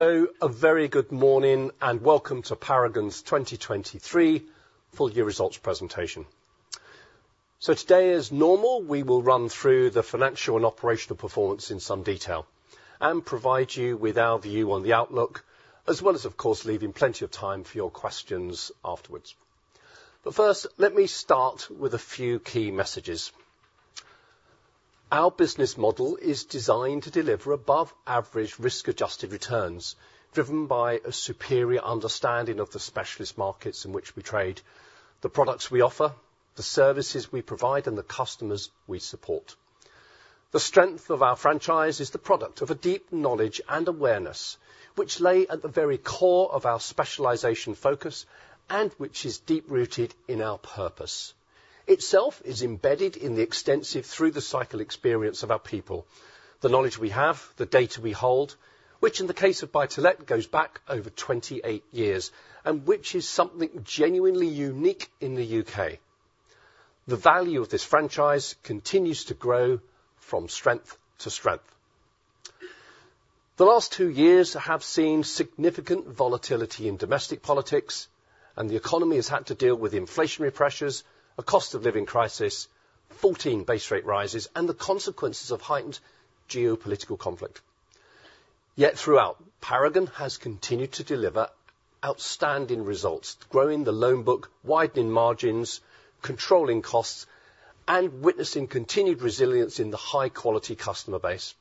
So a very good morning, and welcome to Paragon's 2023 full year results presentation. So today, as normal, we will run through the financial and operational performance in some detail and provide you with our view on the outlook, as well as, of course, leaving plenty of time for your questions afterwards. But first, let me start with a few key messages. Our business model is designed to deliver above average risk-adjusted returns, driven by a superior understanding of the specialist markets in which we trade, the products we offer, the services we provide, and the customers we support. The strength of our franchise is the product of a deep knowledge and awareness, which lay at the very core of our specialization focus and which is deep-rooted in our purpose. Itself is embedded in the extensive through-the-cycle experience of our people, the knowledge we have, the data we hold, which, in the case of Buy-to-let, goes back over 28 years, and which is something genuinely unique in the U.K. The value of this franchise continues to grow from strength to strength. The last two years have seen significant volatility in domestic politics, and the economy has had to deal with inflationary pressures, a cost of living crisis, 14 base rate rises, and the consequences of heightened geopolitical conflict. Yet throughout, Paragon has continued to deliver outstanding results, growing the loan book, widening margins, controlling costs, and witnessing continued resilience in the high-quality customer base.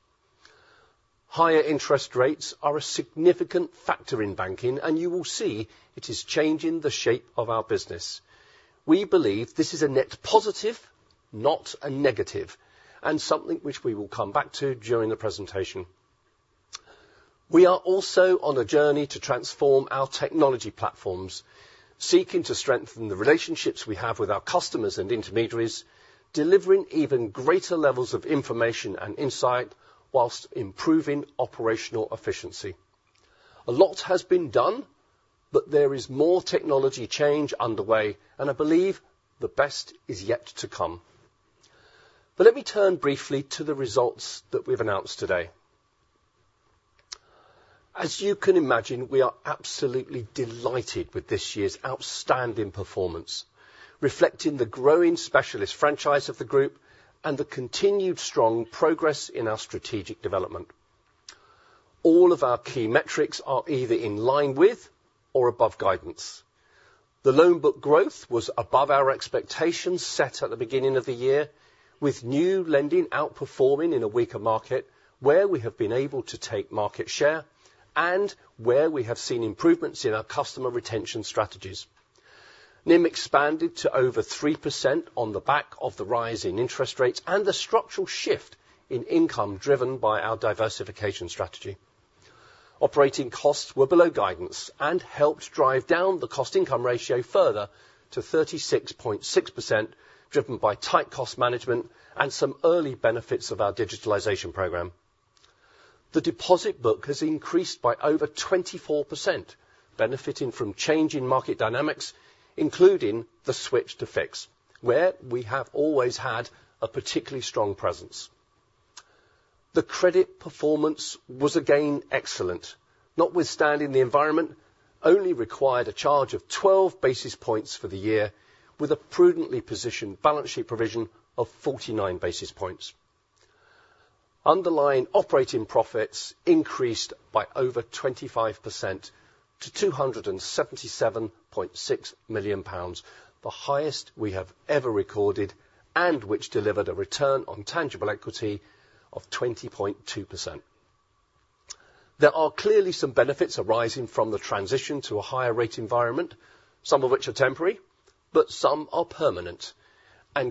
Higher interest rates are a significant factor in banking, and you will see it is changing the shape of our business. We believe this is a net positive, not a negative, and something which we will come back to during the presentation. We are also on a journey to transform our technology platforms, seeking to strengthen the relationships we have with our customers and intermediaries, delivering even greater levels of information and insight whilst improving operational efficiency. A lot has been done, but there is more technology change underway, and I believe the best is yet to come. But let me turn briefly to the results that we've announced today. As you can imagine, we are absolutely delighted with this year's outstanding performance, reflecting the growing specialist franchise of the group and the continued strong progress in our strategic development. All of our key metrics are either in line with or above guidance. The loan book growth was above our expectations set at the beginning of the year, with new lending outperforming in a weaker market, where we have been able to take market share and where we have seen improvements in our customer retention strategies. NIM expanded to over 3% on the back of the rise in interest rates and the structural shift in income, driven by our diversification strategy. Operating costs were below guidance and helped drive down the cost-income ratio further to 36.6%, driven by tight cost management and some early benefits of our digitalization program. The deposit book has increased by over 24%, benefiting from changing market dynamics, including the switch to fix, where we have always had a particularly strong presence. The credit performance was, again, excellent. Notwithstanding the environment, only required a charge of 12 basis points for the year, with a prudently positioned balance sheet provision of 49 basis points. Underlying operating profits increased by over 25% to 277.6 million pounds, the highest we have ever recorded, and which delivered a return on tangible equity of 20.2%. There are clearly some benefits arising from the transition to a higher rate environment, some of which are temporary, but some are permanent.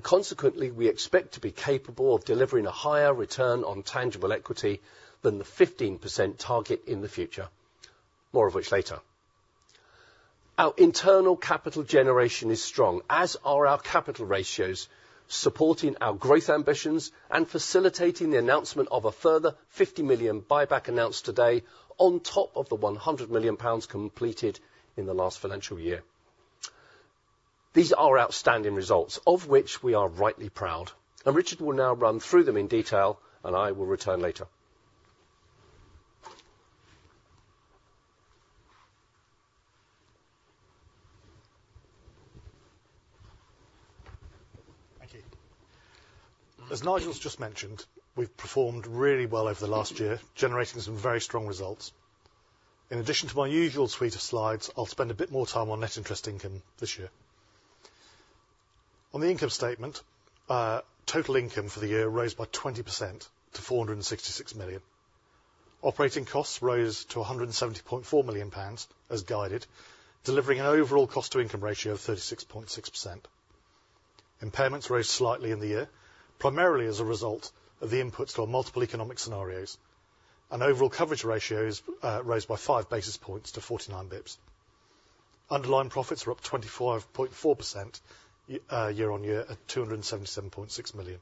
Consequently, we expect to be capable of delivering a higher return on tangible equity than the 15% target in the future, more of which later. Our internal capital generation is strong, as are our capital ratios, supporting our growth ambitions and facilitating the announcement of a further 50 million buyback announced today, on top of the 100 million pounds completed in the last financial year. These are outstanding results, of which we are rightly proud, and Richard will now run through them in detail, and I will return later. Thank you. As Nigel just mentioned, we've performed really well over the last year, generating some very strong results. In addition to my usual suite of slides, I'll spend a bit more time on net interest income this year. On the income statement, total income for the year rose by 20% to 466 million. Operating costs rose to 170.4 million pounds, as guided, delivering an overall cost-income ratio of 36.6%. Impairments rose slightly in the year, primarily as a result of the inputs to our multiple economic scenarios. Overall coverage ratios rose by 5 basis points to 49 bps. Underlying profits are up 25.4%, year-on-year at 277.6 million.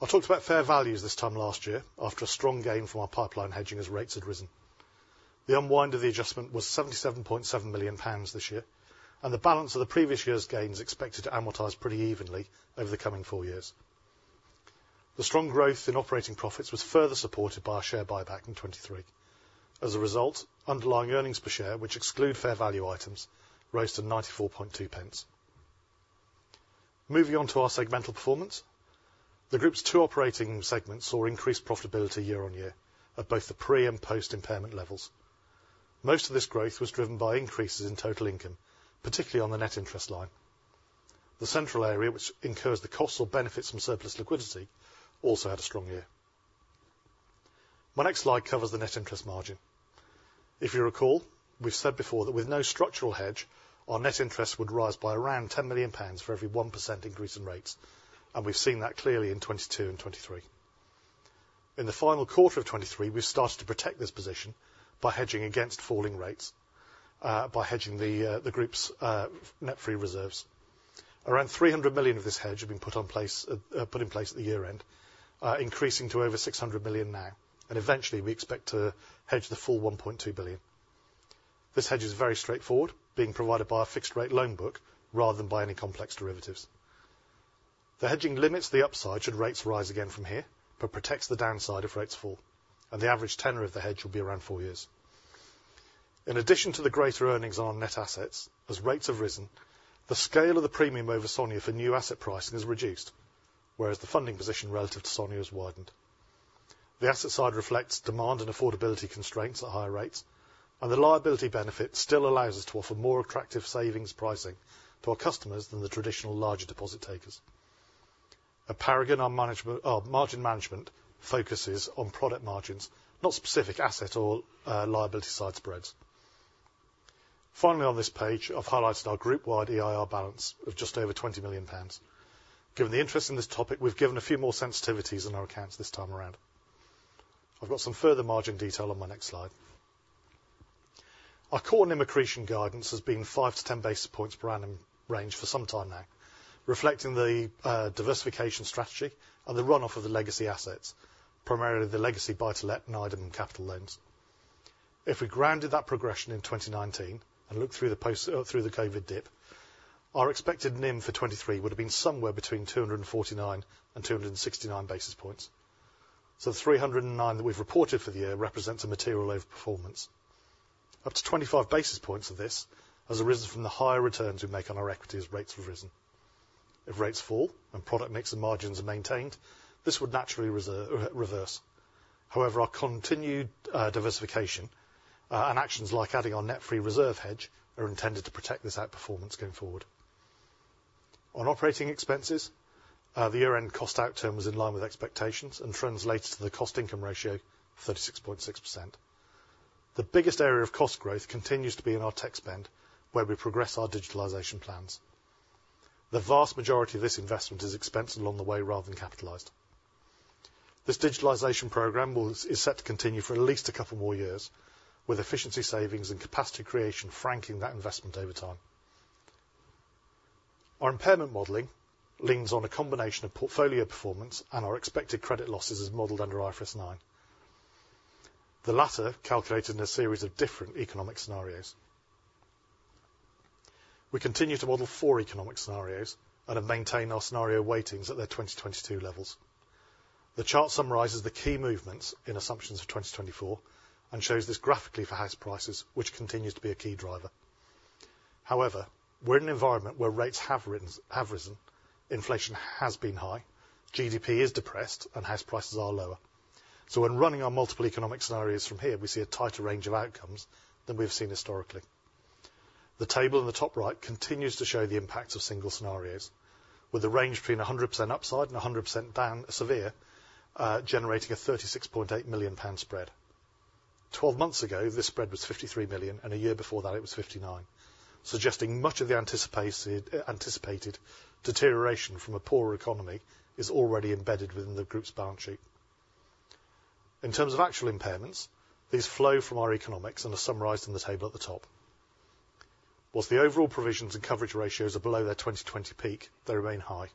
I talked about fair values this time last year after a strong gain from our pipeline hedging as rates had risen. The unwind of the adjustment was GBP 77.7 million this year, and the balance of the previous year's gain is expected to amortize pretty evenly over the coming four years. The strong growth in operating profits was further supported by our share buyback in 2023. As a result, underlying earnings per share, which exclude fair value items, rose to 0.942. Moving on to our segmental performance. The group's two operating segments saw increased profitability year-over-year at both the pre and post-impairment levels. Most of this growth was driven by increases in total income, particularly on the net interest line. The central area, which incurs the costs or benefits from surplus liquidity, also had a strong year. My next slide covers the net interest margin. If you recall, we've said before that with no structural hedge, our net interest would rise by around 10 million pounds for every 1% increase in rates, and we've seen that clearly in 2022 and 2023. In the final quarter of 2023, we started to protect this position by hedging against falling rates, by hedging the group's net free reserves. Around 300 million of this hedge have been put in place at the year-end, increasing to over 600 million now, and eventually, we expect to hedge the full 1.2 billion. This hedge is very straightforward, being provided by a fixed rate loan book rather than by any complex derivatives. The hedging limits the upside should rates rise again from here, but protects the downside if rates fall, and the average tenor of the hedge will be around 4 years. In addition to the greater earnings on our net assets, as rates have risen, the scale of the premium over SONIA for new asset pricing has reduced, whereas the funding position relative to SONIA has widened. The asset side reflects demand and affordability constraints at higher rates, and the liability benefit still allows us to offer more attractive savings pricing to our customers than the traditional larger deposit takers. At Paragon, our management, margin management focuses on product margins, not specific asset or, liability side spreads. Finally, on this page, I've highlighted our group-wide EIR balance of just over 20 million pounds. Given the interest in this topic, we've given a few more sensitivities in our accounts this time around. I've got some further margin detail on my next slide. Our core NIM accretion guidance has been 5-10 basis points per annum range for some time now, reflecting the, diversification strategy and the run-off of the legacy assets, primarily the legacy buy-to-let and Idem Capital loans. If we grounded that progression in 2019 and looked through the post, through the COVID dip, our expected NIM for 2023 would have been somewhere between 249 and 269 basis points. So the 309 that we've reported for the year represents a material overperformance. Up to 25 basis points of this has arisen from the higher returns we make on our equity as rates have risen. If rates fall and product mix and margins are maintained, this would naturally reverse. However, our continued diversification and actions like adding on net free reserve hedge are intended to protect this outperformance going forward. On operating expenses, the year-end cost outcome was in line with expectations and translated to the cost-income ratio of 36.6%. The biggest area of cost growth continues to be in our tech spend, where we progress our digitalization plans. The vast majority of this investment is expensed along the way rather than capitalized. This digitalization program is set to continue for at least a couple more years, with efficiency savings and capacity creation franking that investment over time. Our impairment modeling leans on a combination of portfolio performance and our expected credit losses as modeled under IFRS 9, the latter calculated in a series of different economic scenarios. We continue to model four economic scenarios and have maintained our scenario weightings at their 2022 levels. The chart summarizes the key movements in assumptions for 2024 and shows this graphically for house prices, which continues to be a key driver. However, we're in an environment where rates have risen, inflation has been high, GDP is depressed, and house prices are lower. So when running our multiple economic scenarios from here, we see a tighter range of outcomes than we've seen historically. The table in the top right continues to show the impact of single scenarios, with a range between 100% upside and 100% downside severe, generating a 36.8 million pound spread. 12 months ago, this spread was 53 million, and a year before that, it was 59 million, suggesting much of the anticipated deterioration from a poorer economy is already embedded within the group's balance sheet. In terms of actual impairments, these flow from our economics and are summarized in the table at the top. While the overall provisions and coverage ratios are below their 2020 peak, they remain high.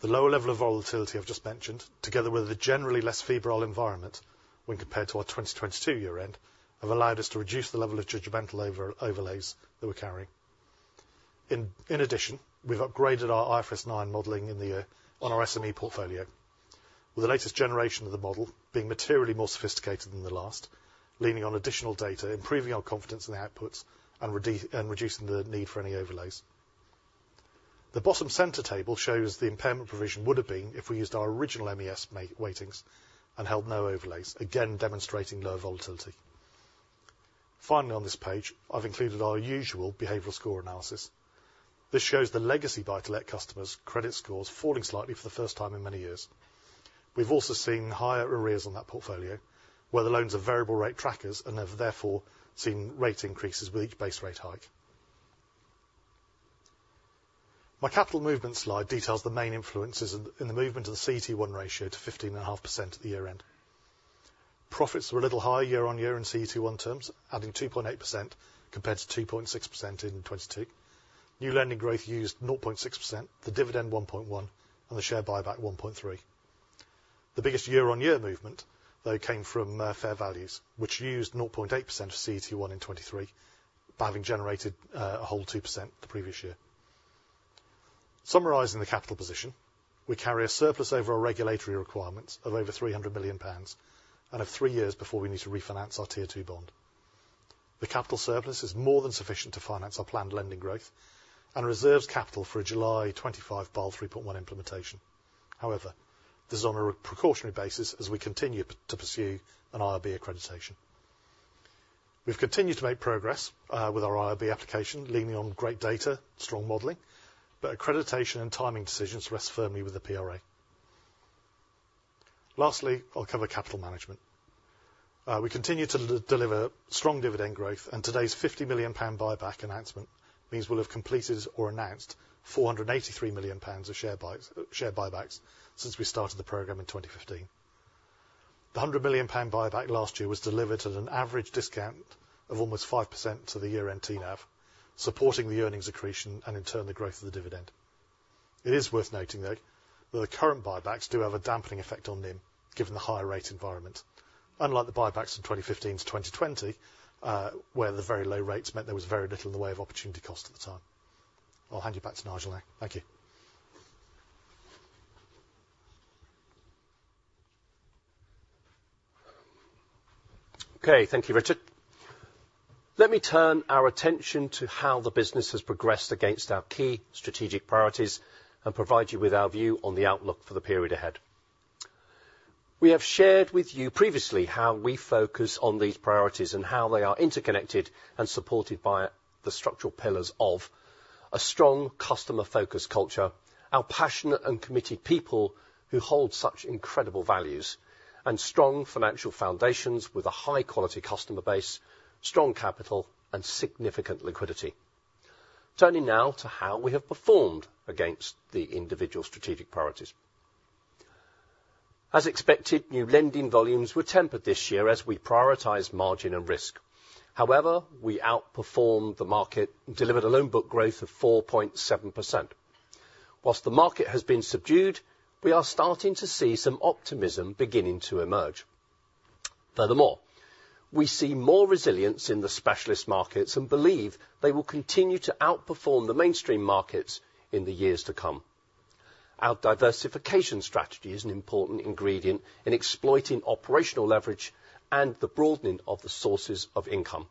The lower level of volatility I've just mentioned, together with a generally less febrile environment when compared to our 2022 year-end, have allowed us to reduce the level of judgmental overlays that we're carrying. In addition, we've upgraded our IFRS 9 modeling in the year on our SME portfolio, with the latest generation of the model being materially more sophisticated than the last, leaning on additional data, improving our confidence in the outputs, and reducing the need for any overlays. The bottom center table shows the impairment provision would have been if we used our original MES weightings and held no overlays, again, demonstrating low volatility. Finally, on this page, I've included our usual behavioral score analysis. This shows the legacy buy-to-let customers' credit scores falling slightly for the first time in many years. We've also seen higher arrears on that portfolio, where the loans are variable rate trackers and have therefore seen rate increases with each base rate hike. My capital movement slide details the main influences in the movement of the CET1 ratio to 15.5% at the year-end. Profits were a little higher year on year in CET1 terms, adding 2.8% compared to 2.6% in 2022. New lending growth used 0.6%, the dividend, 1.1, and the share buyback, 1.3. The biggest year-on-year movement, though, came from fair values, which used 0.8% of CET1 in 2023 by having generated a whole 2% the previous year. Summarizing the capital position, we carry a surplus over our regulatory requirements of over 300 million pounds, and have three years before we need to refinance our Tier 2 bond. The capital surplus is more than sufficient to finance our planned lending growth and reserves capital for a July 2025 Basel 3.1 implementation. However, this is on a precautionary basis as we continue to pursue an IRB accreditation. We've continued to make progress with our IRB application, leaning on great data, strong modeling, but accreditation and timing decisions rest firmly with the PRA. Lastly, I'll cover capital management. We continue to deliver strong dividend growth, and today's 50 million pound buyback announcement means we'll have completed or announced 483 million pounds of share buys, share buybacks since we started the program in 2015. The 100 million pound buyback last year was delivered at an average discount of almost 5% to the year-end TNAV, supporting the earnings accretion and in turn, the growth of the dividend. It is worth noting, though, that the current buybacks do have a dampening effect on NIM, given the higher rate environment, unlike the buybacks from 2015 to 2020, where the very low rates meant there was very little in the way of opportunity cost at the time. I'll hand you back to Nigel now. Thank you. Okay. Thank you, Richard. Let me turn our attention to how the business has progressed against our key strategic priorities and provide you with our view on the outlook for the period ahead. We have shared with you previously how we focus on these priorities and how they are interconnected and supported by the structural pillars of a strong customer-focused culture, our passionate and committed people who hold such incredible values, and strong financial foundations with a high-quality customer base, strong capital, and significant liquidity. Turning now to how we have performed against the individual strategic priorities. As expected, new lending volumes were tempered this year as we prioritized margin and risk. However, we outperformed the market, delivered a loan book growth of 4.7%. While the market has been subdued, we are starting to see some optimism beginning to emerge. Furthermore, we see more resilience in the specialist markets and believe they will continue to outperform the mainstream markets in the years to come. Our diversification strategy is an important ingredient in exploiting operational leverage and the broadening of the sources of income.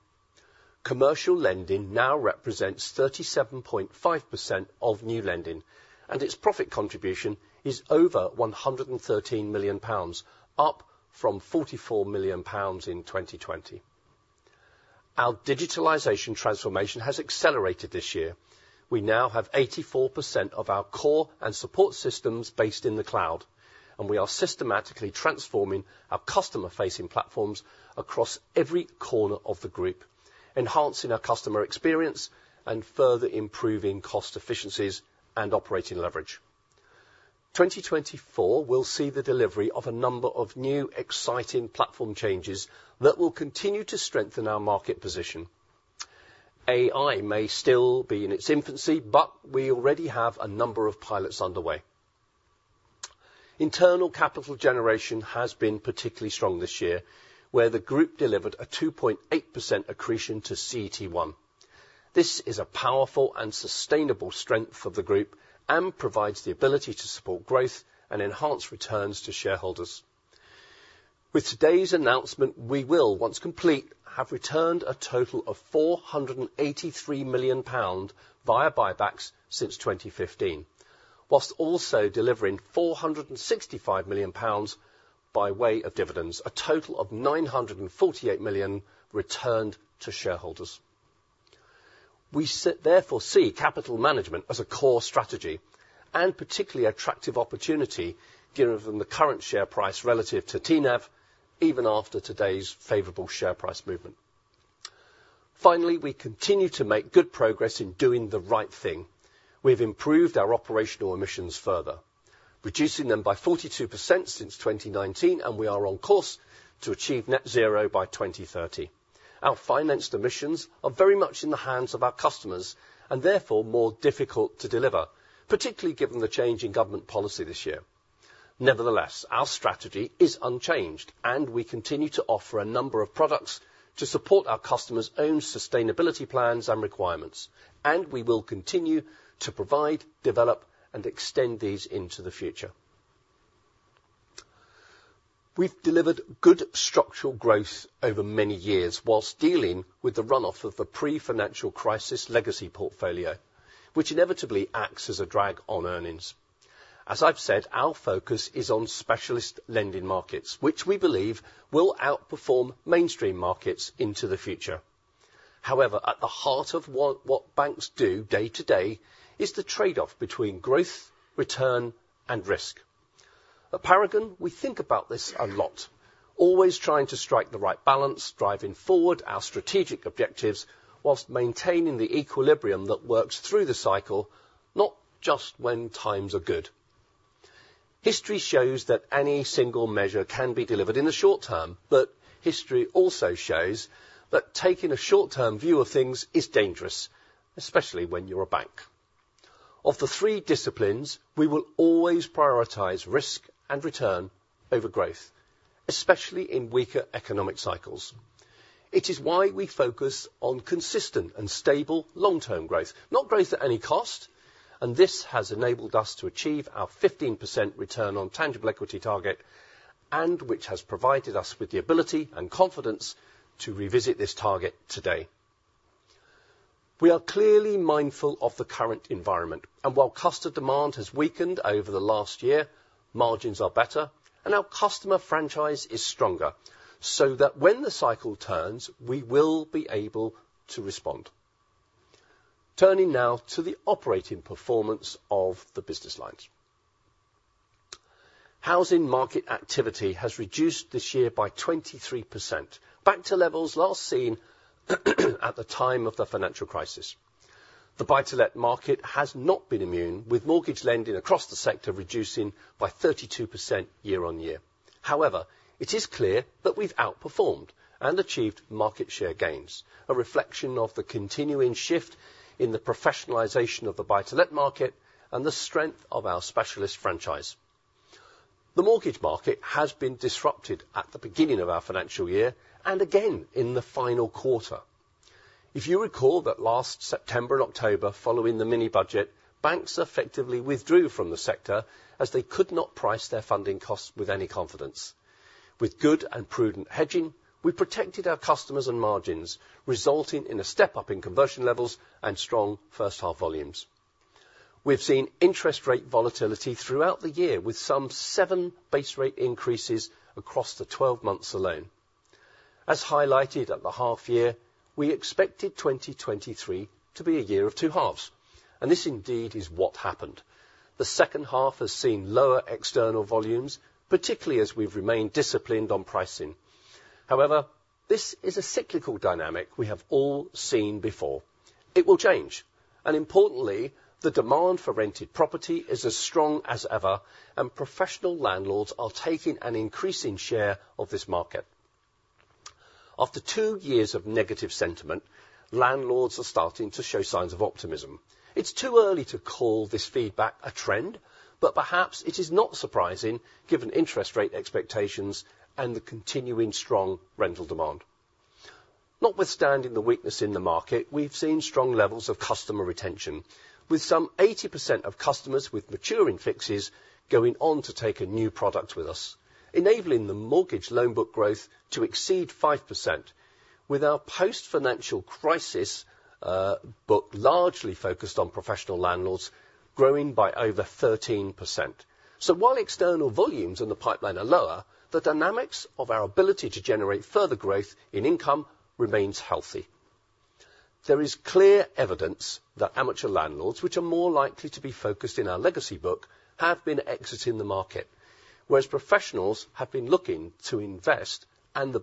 Commercial lending now represents 37.5% of new lending, and its profit contribution is over 113 million, up from 44 million pounds in 2020. Our digitalization transformation has accelerated this year. We now have 84% of our core and support systems based in the cloud, and we are systematically transforming our customer-facing platforms across every corner of the group, enhancing our customer experience and further improving cost efficiencies and operating leverage. 2024, we'll see the delivery of a number of new, exciting platform changes that will continue to strengthen our market position. AI may still be in its infancy, but we already have a number of pilots underway. Internal capital generation has been particularly strong this year, where the group delivered a 2.8% accretion to CET1. This is a powerful and sustainable strength for the group and provides the ability to support growth and enhance returns to shareholders. With today's announcement, we will, once complete, have returned a total of 483 million pound via buybacks since 2015, while also delivering 465 million pounds by way of dividends, a total of 948 million returned to shareholders. We therefore see capital management as a core strategy, and particularly attractive opportunity, given the current share price relative to TNAV, even after today's favorable share price movement. Finally, we continue to make good progress in doing the right thing. We've improved our operational emissions further, reducing them by 42% since 2019, and we are on course to achieve net zero by 2030. Our financed emissions are very much in the hands of our customers, and therefore, more difficult to deliver, particularly given the change in government policy this year. Nevertheless, our strategy is unchanged, and we continue to offer a number of products to support our customers' own sustainability plans and requirements, and we will continue to provide, develop, and extend these into the future. We've delivered good structural growth over many years whilst dealing with the run-off of the pre-financial crisis legacy portfolio, which inevitably acts as a drag on earnings. As I've said, our focus is on specialist lending markets, which we believe will outperform mainstream markets into the future. However, at the heart of what banks do day to day is the trade-off between growth, return, and risk. At Paragon, we think about this a lot, always trying to strike the right balance, driving forward our strategic objectives, while maintaining the equilibrium that works through the cycle, not just when times are good. History shows that any single measure can be delivered in the short term, but history also shows that taking a short-term view of things is dangerous, especially when you're a bank. Of the three disciplines, we will always prioritize risk and return over growth, especially in weaker economic cycles. It is why we focus on consistent and stable long-term growth, not growth at any cost, and this has enabled us to achieve our 15% return on tangible equity target, and which has provided us with the ability and confidence to revisit this target today. We are clearly mindful of the current environment, and while customer demand has weakened over the last year, margins are better, and our customer franchise is stronger, so that when the cycle turns, we will be able to respond. Turning now to the operating performance of the business lines. Housing market activity has reduced this year by 23%, back to levels last seen at the time of the financial crisis. The buy-to-let market has not been immune, with mortgage lending across the sector reducing by 32% year-on-year. However, it is clear that we've outperformed and achieved market share gains, a reflection of the continuing shift in the professionalization of the buy-to-let market and the strength of our specialist franchise. The mortgage market has been disrupted at the beginning of our financial year and again in the final quarter. If you recall that last September and October, following the mini budget, banks effectively withdrew from the sector as they could not price their funding costs with any confidence. With good and prudent hedging, we protected our customers and margins, resulting in a step up in conversion levels and strong first half volumes. We've seen interest rate volatility throughout the year, with some seven base rate increases across the 12 months alone. As highlighted at the half year, we expected 2023 to be a year of two halves, and this indeed is what happened. The second half has seen lower external volumes, particularly as we've remained disciplined on pricing. However, this is a cyclical dynamic we have all seen before. It will change, and importantly, the demand for rented property is as strong as ever, and professional landlords are taking an increasing share of this market. After two years of negative sentiment, landlords are starting to show signs of optimism. It's too early to call this feedback a trend, but perhaps it is not surprising given interest rate expectations and the continuing strong rental demand. Notwithstanding the weakness in the market, we've seen strong levels of customer retention, with some 80% of customers with maturing fixes going on to take a new product with us, enabling the mortgage loan book growth to exceed 5%, with our post-financial crisis book, largely focused on professional landlords, growing by over 13%. So while external volumes in the pipeline are lower, the dynamics of our ability to generate further growth in income remains healthy. There is clear evidence that amateur landlords, which are more likely to be focused in our legacy book, have been exiting the market, whereas professionals have been looking to invest and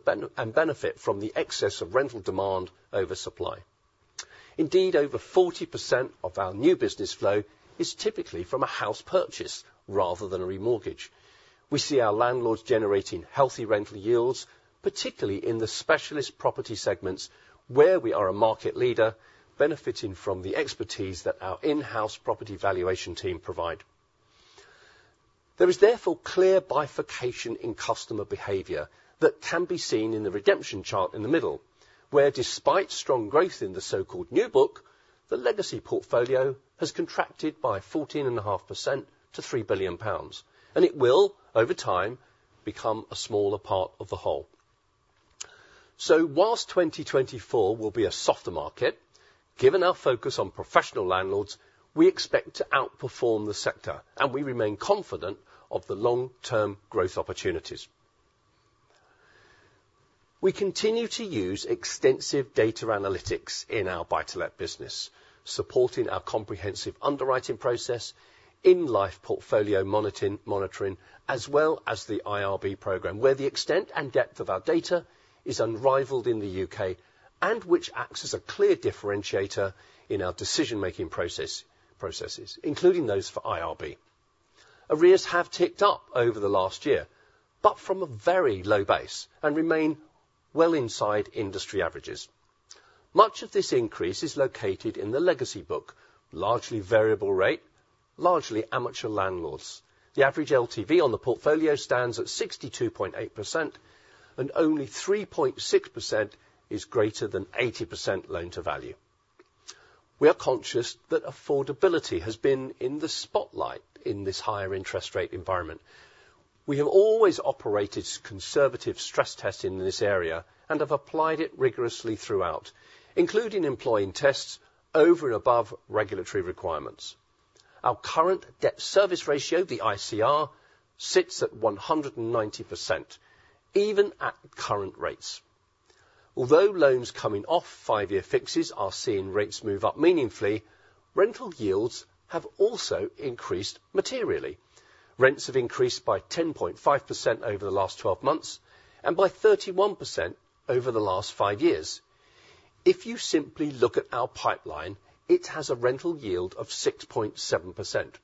benefit from the excess of rental demand over supply. Indeed, over 40% of our new business flow is typically from a house purchase rather than a remortgage. We see our landlords generating healthy rental yields, particularly in the specialist property segments, where we are a market leader, benefiting from the expertise that our in-house property valuation team provide. There is therefore clear bifurcation in customer behavior that can be seen in the redemption chart in the middle, where despite strong growth in the so-called new book, the legacy portfolio has contracted by 14.5% to 3 billion pounds, and it will, over time, become a smaller part of the whole. So while 2024 will be a softer market, given our focus on professional landlords, we expect to outperform the sector, and we remain confident of the long-term growth opportunities. We continue to use extensive data analytics in our buy-to-let business, supporting our comprehensive underwriting process, in-life portfolio monitoring, as well as the IRB program, where the extent and depth of our data is unrivaled in the U.K. and which acts as a clear differentiator in our decision-making process, processes, including those for IRB. Arrears have ticked up over the last year, but from a very low base and remain well inside industry averages. Much of this increase is located in the legacy book, largely variable rate, largely amateur landlords. The average LTV on the portfolio stands at 62.8%, and only 3.6% is greater than 80% loan to value. We are conscious that affordability has been in the spotlight in this higher interest rate environment. We have always operated conservative stress testing in this area and have applied it rigorously throughout, including employing tests over and above regulatory requirements. Our current debt service ratio, the ICR, sits at 190%, even at current rates. Although loans coming off five-year fixes are seeing rates move up meaningfully, rental yields have also increased materially. Rents have increased by 10.5% over the last 12 months and by 31% over the last five years. If you simply look at our pipeline, it has a rental yield of 6.7%,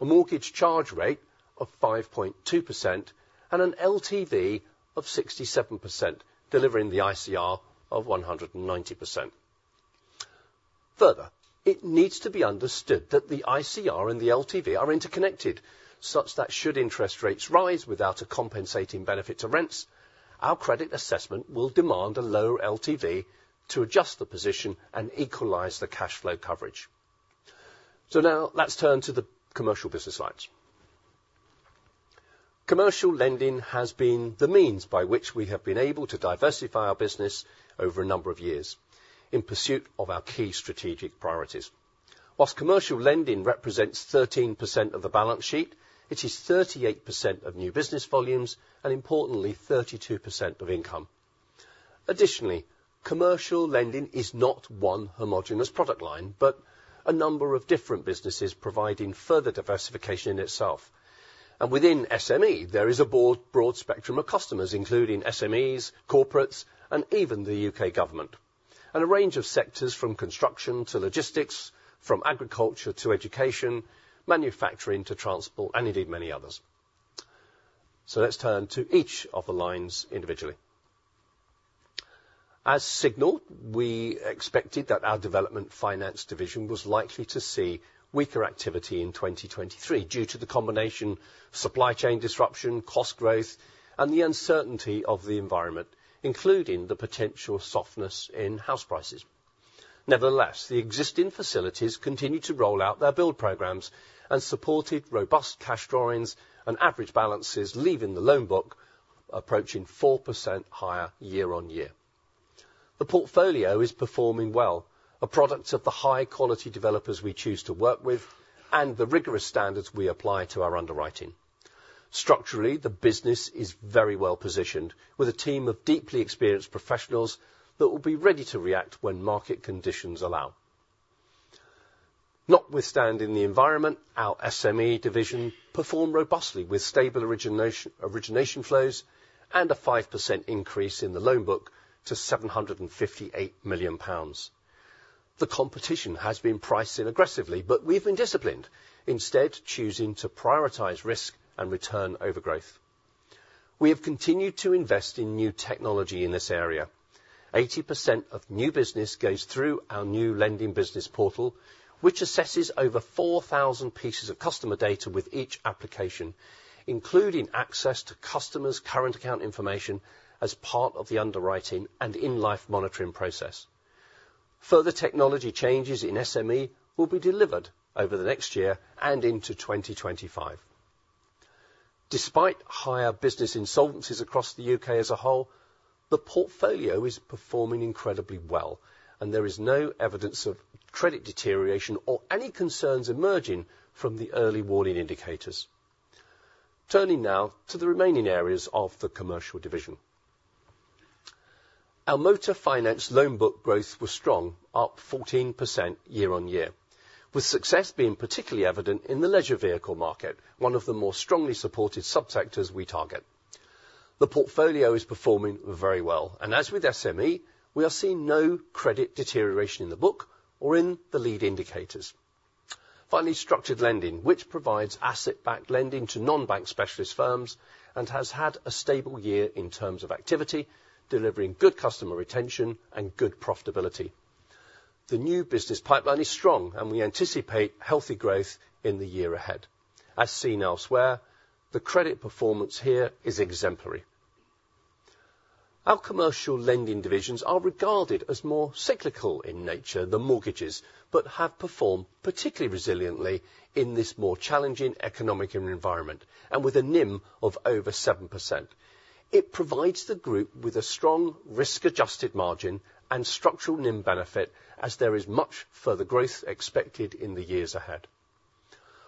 a mortgage charge rate of 5.2%, and an LTV of 67%, delivering the ICR of 190%. Further, it needs to be understood that the ICR and the LTV are interconnected, such that should interest rates rise without a compensating benefit to rents, our credit assessment will demand a lower LTV to adjust the position and equalize the cash flow coverage. So now let's turn to the commercial business lines. Commercial lending has been the means by which we have been able to diversify our business over a number of years in pursuit of our key strategic priorities. While commercial lending represents 13% of the balance sheet, it is 38% of new business volumes, and importantly, 32% of income. Additionally, commercial lending is not one homogeneous product line, but a number of different businesses providing further diversification in itself. Within SME, there is a broad, broad spectrum of customers, including SMEs, corporates, and even the U.K. government, and a range of sectors from construction to logistics, from agriculture to education, manufacturing to transport, and indeed many others. Let's turn to each of the lines individually. As signaled, we expected that our development finance division was likely to see weaker activity in 2023 due to the combination of supply chain disruption, cost growth, and the uncertainty of the environment, including the potential softness in house prices. Nevertheless, the existing facilities continued to roll out their build programs and supported robust cash drawings and average balances, leaving the loan book approaching 4% higher year-on-year. The portfolio is performing well, a product of the high quality developers we choose to work with and the rigorous standards we apply to our underwriting. Structurally, the business is very well positioned, with a team of deeply experienced professionals that will be ready to react when market conditions allow. Notwithstanding the environment, our SME division performed robustly with stable origination, origination flows and a 5% increase in the loan book to 758 million pounds. The competition has been pricing aggressively, but we've been disciplined, instead choosing to prioritize risk and return over growth. We have continued to invest in new technology in this area. 80% of new business goes through our new lending business portal, which assesses over 4,000 pieces of customer data with each application, including access to customers' current account information as part of the underwriting and in-life monitoring process. Further technology changes in SME will be delivered over the next year and into 2025. Despite higher business insolvencies across the U.K. as a whole, the portfolio is performing incredibly well, and there is no evidence of credit deterioration or any concerns emerging from the early warning indicators. Turning now to the remaining areas of the commercial division. Our motor finance loan book growth was strong, up 14% year-on-year, with success being particularly evident in the leisure vehicle market, one of the more strongly supported subsectors we target. The portfolio is performing very well, and as with SME, we are seeing no credit deterioration in the book or in the lead indicators. Finally, structured lending, which provides asset-backed lending to non-bank specialist firms and has had a stable year in terms of activity, delivering good customer retention and good profitability. The new business pipeline is strong, and we anticipate healthy growth in the year ahead. As seen elsewhere, the credit performance here is exemplary. Our commercial lending divisions are regarded as more cyclical in nature than mortgages, but have performed particularly resiliently in this more challenging economic environment, and with a NIM of over 7%. It provides the group with a strong, risk-adjusted margin and structural NIM benefit, as there is much further growth expected in the years ahead.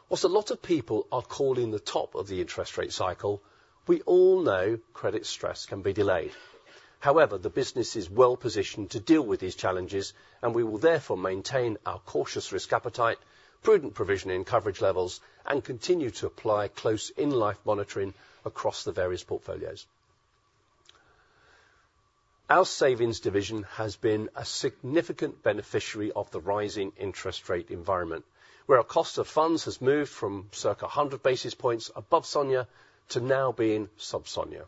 Whilst a lot of people are calling the top of the interest rate cycle, we all know credit stress can be delayed. However, the business is well positioned to deal with these challenges, and we will therefore maintain our cautious risk appetite, prudent provisioning coverage levels, and continue to apply close in-life monitoring across the various portfolios. Our savings division has been a significant beneficiary of the rising interest rate environment, where our cost of funds has moved from circa 100 basis points above SONIA to now being sub-SONIA.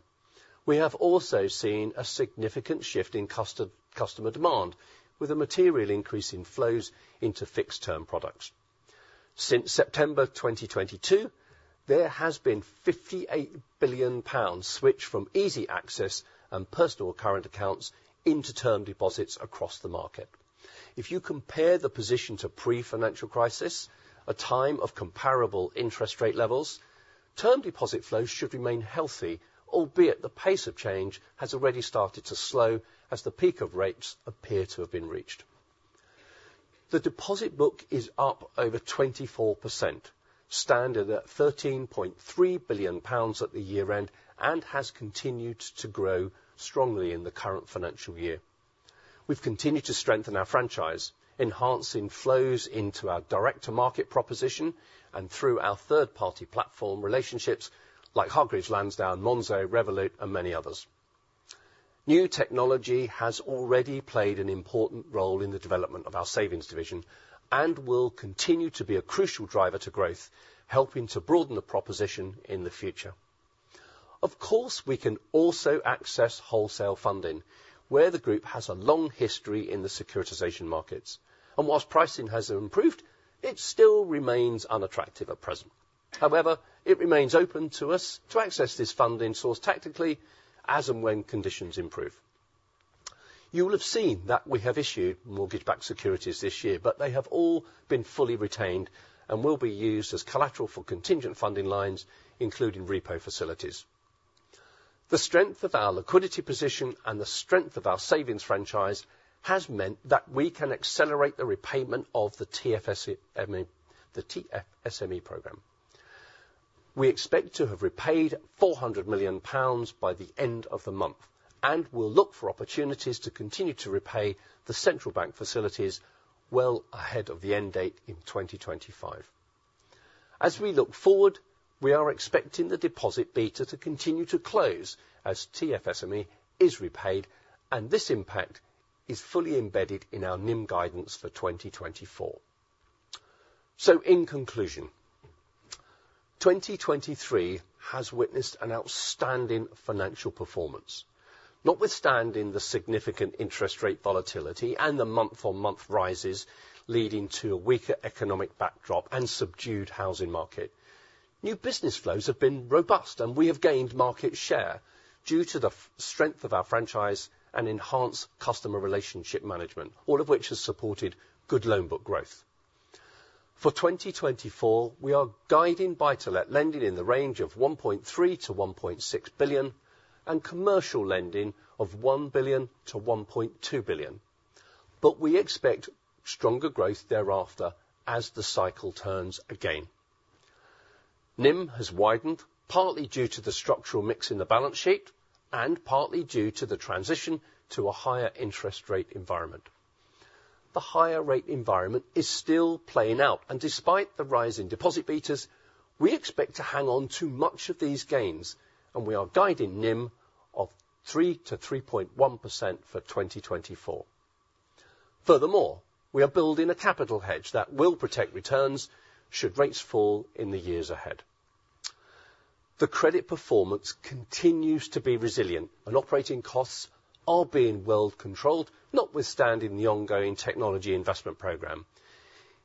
We have also seen a significant shift in customer demand, with a material increase in flows into fixed-term products. Since September 2022, there has been 58 billion pounds switched from easy access and personal current accounts into term deposits across the market. If you compare the position to pre-financial crisis, a time of comparable interest rate levels, term deposit flows should remain healthy, albeit the pace of change has already started to slow as the peak of rates appear to have been reached. The deposit book is up over 24%, standing at 13.3 billion pounds at the year-end, and has continued to grow strongly in the current financial year. We've continued to strengthen our franchise, enhancing flows into our direct-to-market proposition and through our third-party platform relationships like Hargreaves Lansdown, Monzo, Revolut, and many others. New technology has already played an important role in the development of our savings division, and will continue to be a crucial driver to growth, helping to broaden the proposition in the future. Of course, we can also access wholesale funding, where the group has a long history in the securitization markets. And while pricing has improved, it still remains unattractive at present. However, it remains open to us to access this funding source tactically as and when conditions improve. You will have seen that we have issued mortgage-backed securities this year, but they have all been fully retained and will be used as collateral for contingent funding lines, including repo facilities. The strength of our liquidity position and the strength of our savings franchise has meant that we can accelerate the repayment of the TFSE-- I mean, the TFSME program. We expect to have repaid 400 million pounds by the end of the month, and we'll look for opportunities to continue to repay the central bank facilities well ahead of the end date in 2025. As we look forward, we are expecting the deposit beta to continue to close as TFSME is repaid, and this impact is fully embedded in our NIM guidance for 2024. So in conclusion, 2023 has witnessed an outstanding financial performance. Notwithstanding the significant interest rate volatility and the month-on-month rises leading to a weaker economic backdrop and subdued housing market, new business flows have been robust, and we have gained market share due to the strength of our franchise and enhanced customer relationship management, all of which has supported good loan book growth. For 2024, we are guiding buy-to-let lending in the range of 1.3 billion-1.6 billion, and commercial lending of 1 billion-1.2 billion. But we expect stronger growth thereafter as the cycle turns again. NIM has widened, partly due to the structural mix in the balance sheet, and partly due to the transition to a higher interest rate environment. The higher rate environment is still playing out, and despite the rise in deposit betas, we expect to hang on to much of these gains, and we are guiding NIM of 3%-3.1% for 2024. Furthermore, we are building a capital hedge that will protect returns should rates fall in the years ahead. The credit performance continues to be resilient, and operating costs are being well controlled, notwithstanding the ongoing technology investment program.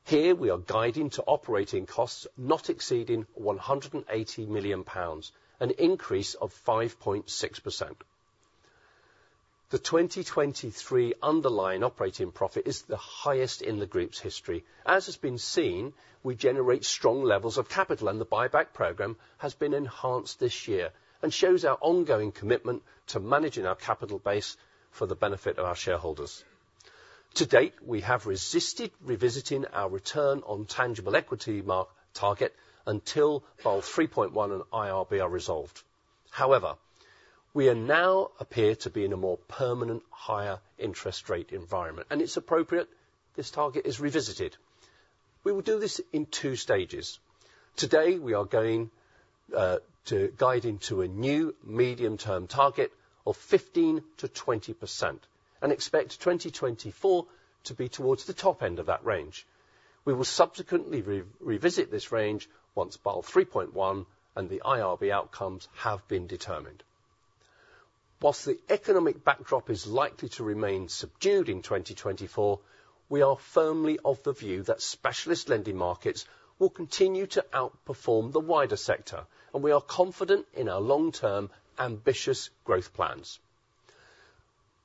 Here, we are guiding to operating costs not exceeding 180 million pounds, an increase of 5.6%. The 2023 underlying operating profit is the highest in the group's history. As has been seen, we generate strong levels of capital, and the buyback program has been enhanced this year and shows our ongoing commitment to managing our capital base for the benefit of our shareholders. To date, we have resisted revisiting our return on tangible equity mark target until both Basel 3.1 and IRB are resolved. However, we now appear to be in a more permanent higher interest rate environment, and it's appropriate this target is revisited. We will do this in two stages. Today, we are going to guide into a new medium-term target of 15%-20% and expect 2024 to be towards the top end of that range. We will subsequently revisit this range once Basel 3.1 and the IRB outcomes have been determined. While the economic backdrop is likely to remain subdued in 2024, we are firmly of the view that specialist lending markets will continue to outperform the wider sector, and we are confident in our long-term, ambitious growth plans.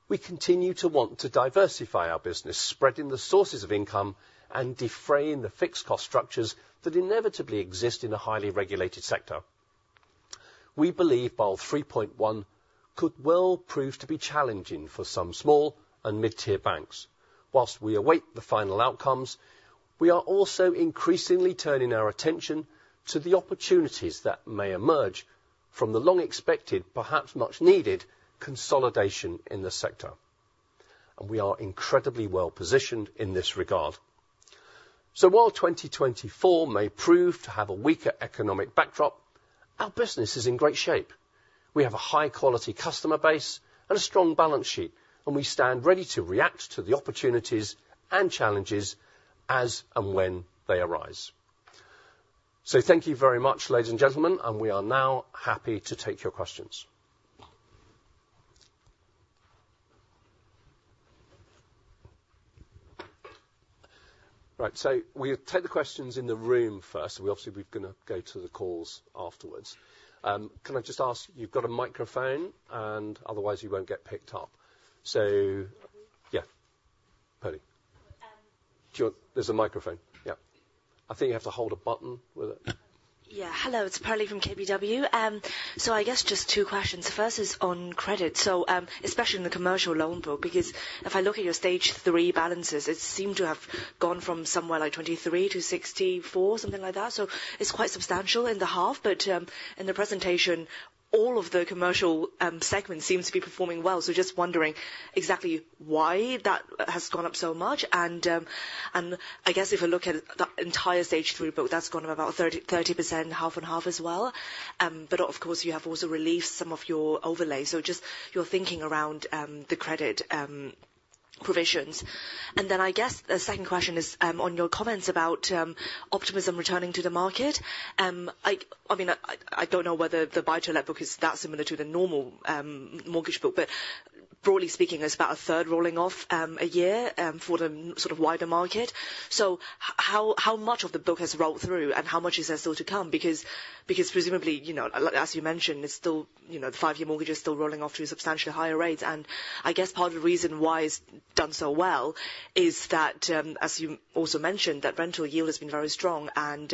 We continue to want to diversify our business, spreading the sources of income and defraying the fixed cost structures that inevitably exist in a highly regulated sector. We believe Basel 3.1 could well prove to be challenging for some small and mid-tier banks. Whilst we await the final outcomes, we are also increasingly turning our attention to the opportunities that may emerge from the long-expected, perhaps much needed, consolidation in the sector, and we are incredibly well positioned in this regard. So while 2024 may prove to have a weaker economic backdrop, our business is in great shape. We have a high-quality customer base and a strong balance sheet, and we stand ready to react to the opportunities and challenges as and when they arise. So thank you very much, ladies and gentlemen, and we are now happy to take your questions. Right. So we'll take the questions in the room first. We obviously, we're gonna go to the calls afterwards. Can I just ask, you've got a microphone, and otherwise, you won't get picked up. So yeah, Perlie. Do you... There's a microphone. Yeah. I think you have to hold a button, will it? Yeah. Hello, it's Perlie from KBW. So I guess just two questions. First is on credit, so, especially in the commercial loan book, because if I look at your stage 3 balances, it seemed to have gone from somewhere like 23 to 64, something like that. So it's quite substantial in the half, but, in the presentation, all of the commercial, segments seem to be performing well. So just wondering exactly why that has gone up so much. And, and I guess if you look at the entire stage 3 book, that's gone up about 30, 30%, half and half as well. But of course, you have also released some of your overlay. So just your thinking around, the credit, provisions. And then I guess the second question is, on your comments about, optimism returning to the market. I mean, I don't know whether the buy-to-let book is that similar to the normal mortgage book, but broadly speaking, it's about a third rolling off a year for the sort of wider market. So how much of the book has rolled through, and how much is there still to come? Because presumably, you know, like as you mentioned, it's still, you know, the five-year mortgage is still rolling off to substantially higher rates. And I guess part of the reason why it's done so well is that as you also mentioned, that rental yield has been very strong, and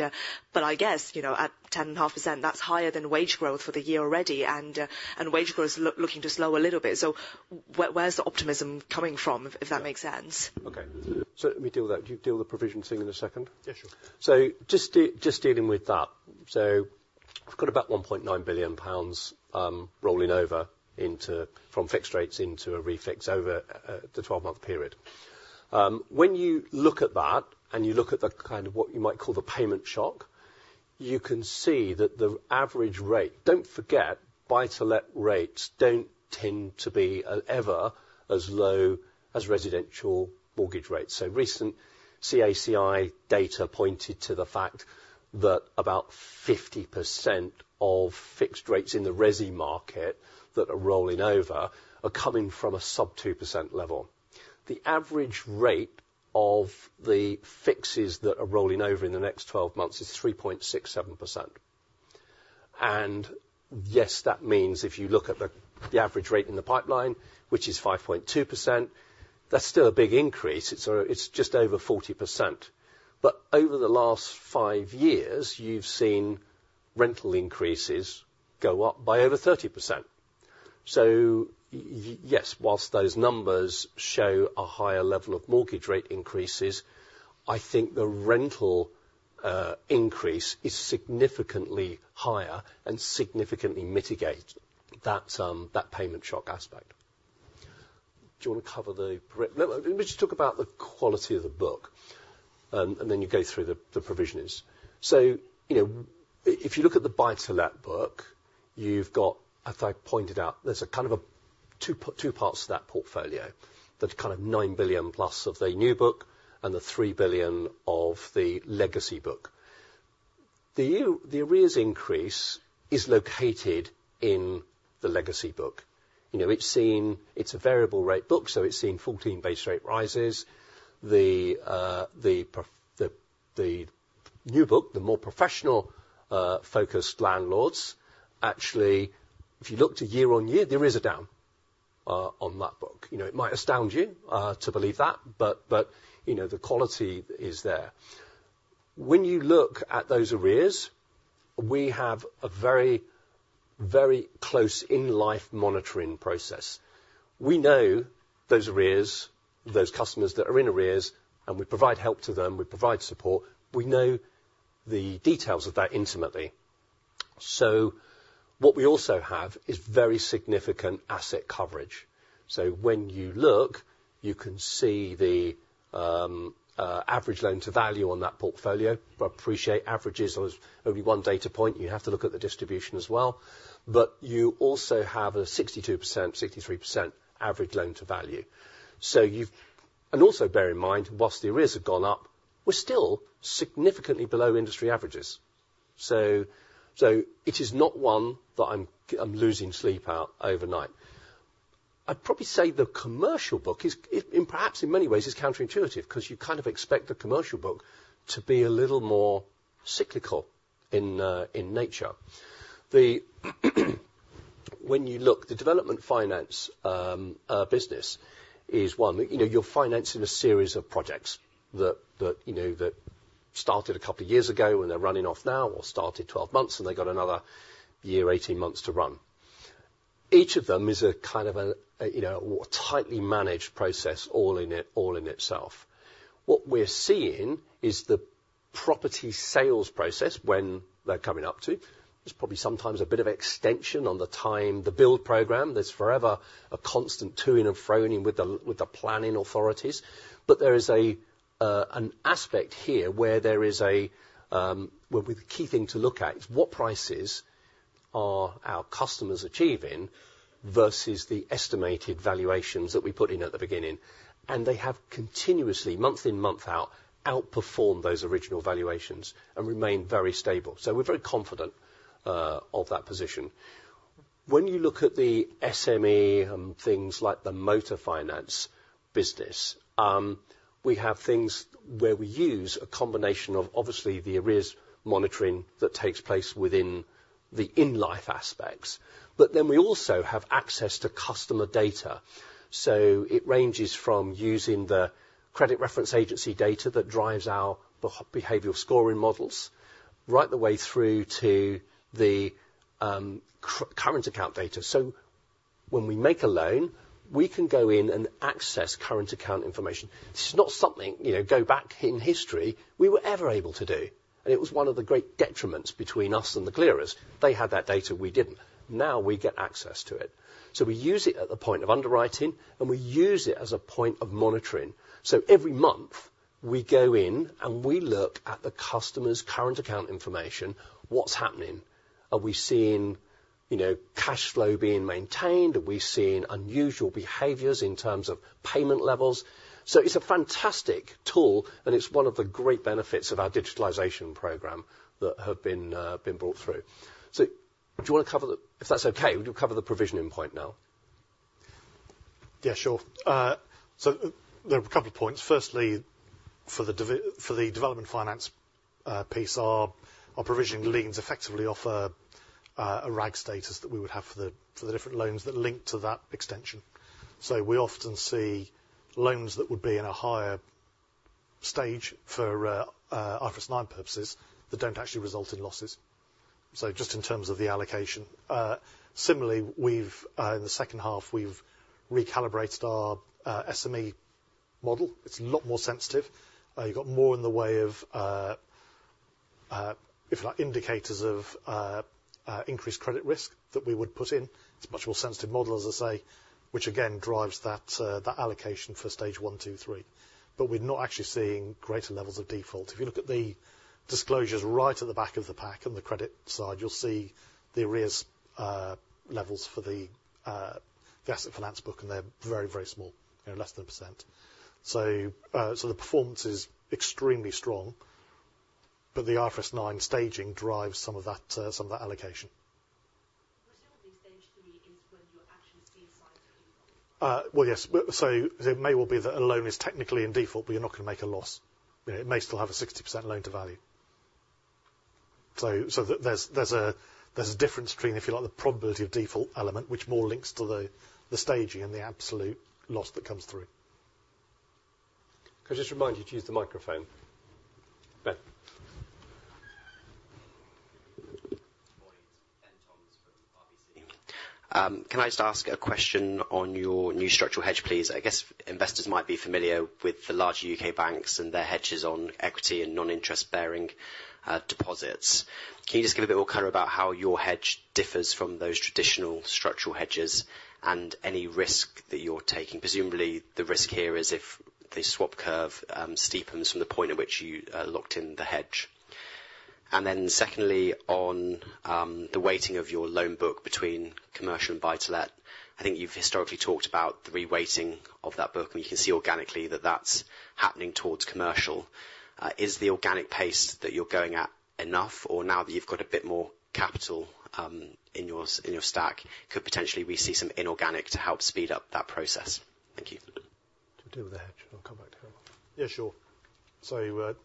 but I guess, you know, at 10.5%, that's higher than wage growth for the year already, and wage growth is looking to slow a little bit. So where's the optimism coming from, if that makes sense? Okay, so let me deal with that. You deal with the provision thing in a second? Yeah, sure. So just dealing with that. So we've got about 1.9 billion pounds rolling over into, from fixed rates into a refix over the 12-month period. When you look at that, and you look at the kind of what you might call the payment shock, you can see that the average rate—Don't forget, buy-to-let rates don't tend to be ever as low as residential mortgage rates. So recent CACI data pointed to the fact that about 50% of fixed rates in the resi market that are rolling over are coming from a sub 2% level. The average rate of the fixes that are rolling over in the next 12 months is 3.67%. Yes, that means if you look at the average rate in the pipeline, which is 5.2%, that's still a big increase. It's just over 40%. But over the last five years, you've seen rental increases go up by over 30%. So yes, while those numbers show a higher level of mortgage rate increases, I think the rental increase is significantly higher and significantly mitigate that payment shock aspect. Do you want to cover the pre-? Let me just talk about the quality of the book, and then you go through the provisions. So, you know, if you look at the buy-to-let book, you've got, as I pointed out, there's a kind of a two parts to that portfolio. That kind of 9 billion plus of the new book and the 3 billion of the legacy book. The arrears increase is located in the legacy book. You know, it's seen, it's a variable rate book, so it's seen 14 base rate rises. The new book, the more professional, focused landlords, actually, if you looked at year-on-year, there is a down on that book. You know, it might astound you to believe that, but, you know, the quality is there. When you look at those arrears, we have a very, very close in-life monitoring process. We know those arrears, those customers that are in arrears, and we provide help to them, we provide support. We know the details of that intimately. So what we also have is very significant asset coverage. So when you look, you can see the average loan-to-value on that portfolio. But appreciate averages are only one data point. You have to look at the distribution as well, but you also have a 62%, 63% average loan-to-value. And also bear in mind, while the arrears have gone up, we're still significantly below industry averages. So it is not one that I'm losing sleep out overnight. I'd probably say the commercial book is, it, and perhaps in many ways, is counterintuitive because you kind of expect the commercial book to be a little more cyclical in, in nature. When you look, the development finance business is one. You know, you're financing a series of projects that, you know, that started a couple of years ago, and they're running off now, or started 12 months, and they got another year, 18 months to run. Each of them is a kind of a, you know, a tightly managed process, all in it, all in itself. What we're seeing is the property sales process, when they're coming up to, there's probably sometimes a bit of extension on the time, the build program. There's forever a constant toing and froing with the planning authorities. But there is a, an aspect here where there is a, well, the key thing to look at is what prices are our customers achieving versus the estimated valuations that we put in at the beginning. And they have continuously, month in, month out, outperformed those original valuations and remained very stable. So we're very confident of that position. When you look at the SME and things like the motor finance business, we have things where we use a combination of obviously the arrears monitoring that takes place within the in-life aspects. But then we also have access to customer data. So it ranges from using the credit reference agency data that drives our behavioral scoring models, right the way through to the current account data. So when we make a loan, we can go in and access current account information. It's not something, you know, go back in history, we were ever able to do, and it was one of the great detriments between us and the clearers. They had that data, we didn't. Now we get access to it. So we use it at the point of underwriting, and we use it as a point of monitoring. So every month, we go in and we look at the customer's current account information, what's happening? Are we seeing, you know, cash flow being maintained? Are we seeing unusual behaviors in terms of payment levels? So it's a fantastic tool, and it's one of the great benefits of our digitalization program that have been brought through. So do you wanna cover the, if that's okay, would you cover the provisioning point now? Yeah, sure. So there are a couple of points. Firstly, for the development finance piece, our provisioning leans effectively offer a RAG status that we would have for the different loans that link to that extension. So we often see loans that would be in a higher stage for IFRS 9 purposes, that don't actually result in losses. So just in terms of the allocation. Similarly, we've in the second half recalibrated our SME model. It's a lot more sensitive. You got more in the way of if like indicators of increased credit risk that we would put in. It's a much more sensitive model, as I say, which again drives that allocation for stage one, two, three. But we're not actually seeing greater levels of default. If you look at the disclosures right at the back of the pack on the credit side, you'll see the arrears levels for the asset finance book, and they're very, very small, they're less than 1%. So the performance is extremely strong, but the IFRS 9 staging drives some of that allocation. Presumably, stage 3 is when you actually see a sign of default? Well, yes. But so it may well be that a loan is technically in default, but you're not gonna make a loss. You know, it may still have a 60% loan-to-value. So there's a difference between, if you like, the probability of default element, which more links to the staging and the absolute loss that comes through. Could I just remind you to use the microphone? Ben. Good morning. Benjamin Toms from RBC. Can I just ask a question on your new structural hedge, please? I guess investors might be familiar with the larger U.K. banks and their hedges on equity and non-interest-bearing deposits. Can you just give a bit more color about how your hedge differs from those traditional structural hedges and any risk that you're taking? Presumably, the risk here is if the swap curve steepens from the point at which you locked in the hedge. And then secondly, on the weighting of your loan book between commercial and buy-to-let, I think you've historically talked about the reweighting of that book, and you can see organically that that's happening towards commercial. Is the organic pace that you're going at enough, or now that you've got a bit more capital, in your stack, could potentially we see some inorganic to help speed up that process? Thank you. To deal with the hedge, I'll come back to you. Yeah, sure. So,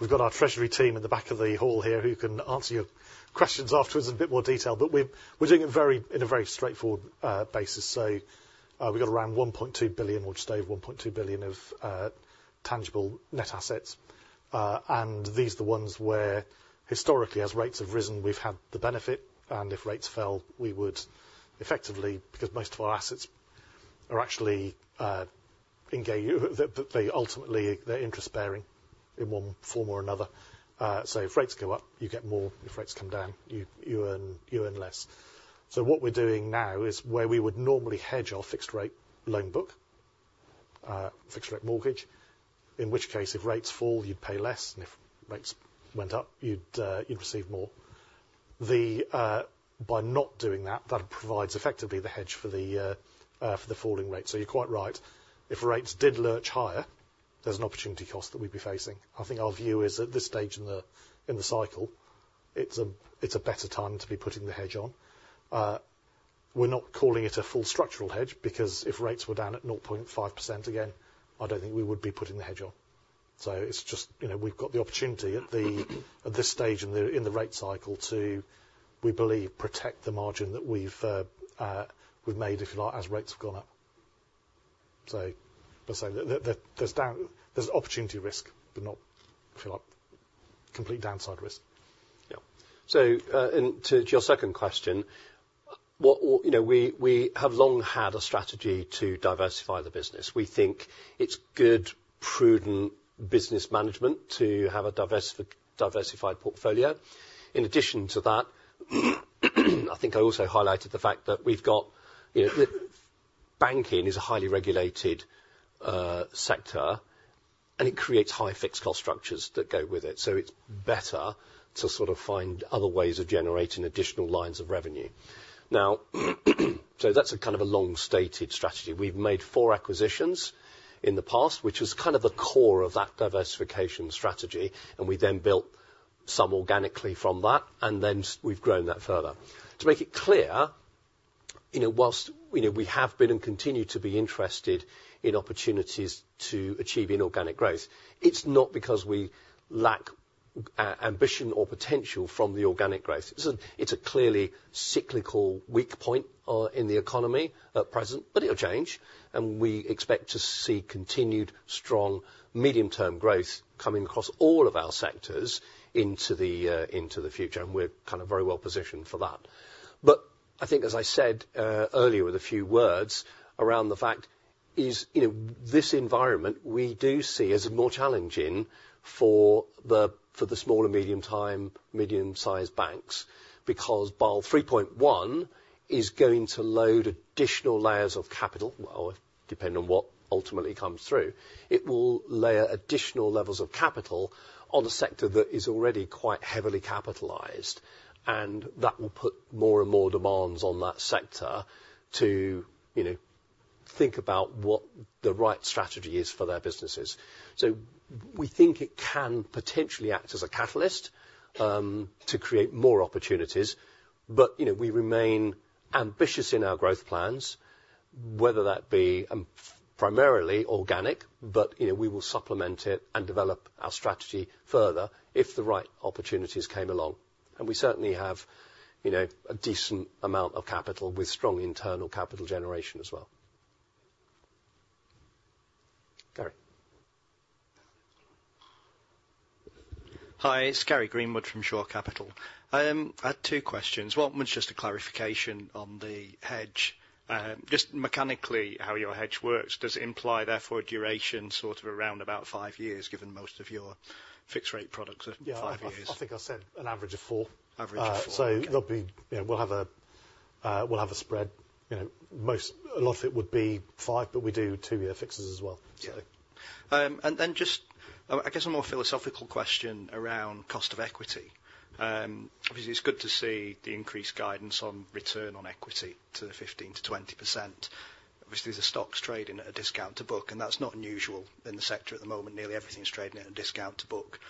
we've got our treasury team in the back of the hall here who can answer your questions afterwards in a bit more detail, but we're doing it very in a very straightforward basis. So, we got around 1.2 billion, or just over 1.2 billion of tangible net assets. And these are the ones where historically, as rates have risen, we've had the benefit, and if rates fell, we would effectively. Because most of our assets are actually they ultimately, they're interest bearing in one form or another. So if rates go up, you get more, if rates come down, you earn less. So what we're doing now is where we would normally hedge our fixed rate loan book, fixed rate mortgage, in which case, if rates fall, you'd pay less, and if rates went up, you'd receive more. By not doing that, that provides effectively the hedge for the falling rate. So you're quite right. If rates did lurch higher, there's an opportunity cost that we'd be facing. I think our view is, at this stage in the cycle, it's a better time to be putting the hedge on. We're not calling it a full structural hedge, because if rates were down at 0.5% again, I don't think we would be putting the hedge on. So it's just, you know, we've got the opportunity at this stage in the rate cycle to, we believe, protect the margin that we've made, if you like, as rates have gone up. So let's say there's opportunity risk, but not, if you like, complete downside risk. Yeah. So, and to your second question. You know, we have long had a strategy to diversify the business. We think it's good, prudent business management to have a diversified portfolio. In addition to that, I think I also highlighted the fact that we've got, you know, banking is a highly regulated sector, and it creates high fixed cost structures that go with it. So it's better to sort of find other ways of generating additional lines of revenue. Now, so that's a kind of a long-stated strategy. We've made four acquisitions in the past, which was kind of the core of that diversification strategy, and we then built some organically from that, and then we've grown that further. To make it clear, you know, while, you know, we have been and continue to be interested in opportunities to achieve inorganic growth, it's not because we lack ambition or potential from the organic growth. It's a clearly cyclical weak point in the economy at present, but it'll change, and we expect to see continued strong medium-term growth coming across all of our sectors into the future, and we're kind of very well positioned for that. But I think, as I said, earlier with a few words around the fact is, you know, this environment, we do see as more challenging for the, for the small and medium-sized banks, because Basel 3.1 is going to load additional layers of capital, well, depending on what ultimately comes through, it will layer additional levels of capital on a sector that is already quite heavily capitalized, and that will put more and more demands on that sector to, you know, think about what the right strategy is for their businesses. So we think it can potentially act as a catalyst, to create more opportunities, but, you know, we remain ambitious in our growth plans, whether that be, primarily organic, but, you know, we will supplement it and develop our strategy further if the right opportunities came along. We certainly have, you know, a decent amount of capital, with strong internal capital generation as well. Gary? Hi, it's Gary Greenwood from Shore Capital. I, I have two questions. One was just a clarification on the hedge. Just mechanically, how your hedge works, does it imply therefore a duration sort of around about five years, given most of your fixed rate products are five years? Yeah, I think I said an average of four. Average of four. So there'll be. Yeah, we'll have a spread. You know, a lot of it would be five, but we do two year fixes as well, so. And then just, I guess, a more philosophical question around cost of equity. Obviously, it's good to see the increased guidance on return on equity to the 15%-20%. Obviously, the stock's trading at a discount to book, and that's not unusual in the sector at the moment. Nearly everything's trading at a discount to book,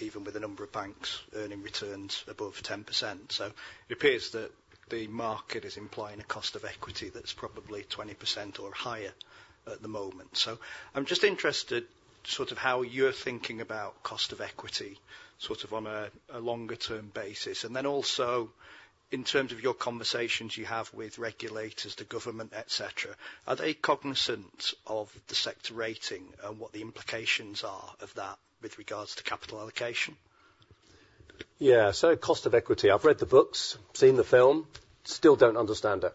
even with a number of banks earning returns above 10%. So it appears that the market is implying a cost of equity that's probably 20% or higher at the moment. So I'm just interested, sort of how you're thinking about cost of equity, sort of on a longer term basis. And then also, in terms of your conversations you have with regulators, the government, et cetera, are they cognizant of the sector rating and what the implications are of that with regards to capital allocation? Yeah, so cost of equity. I've read the books, seen the film, still don't understand it.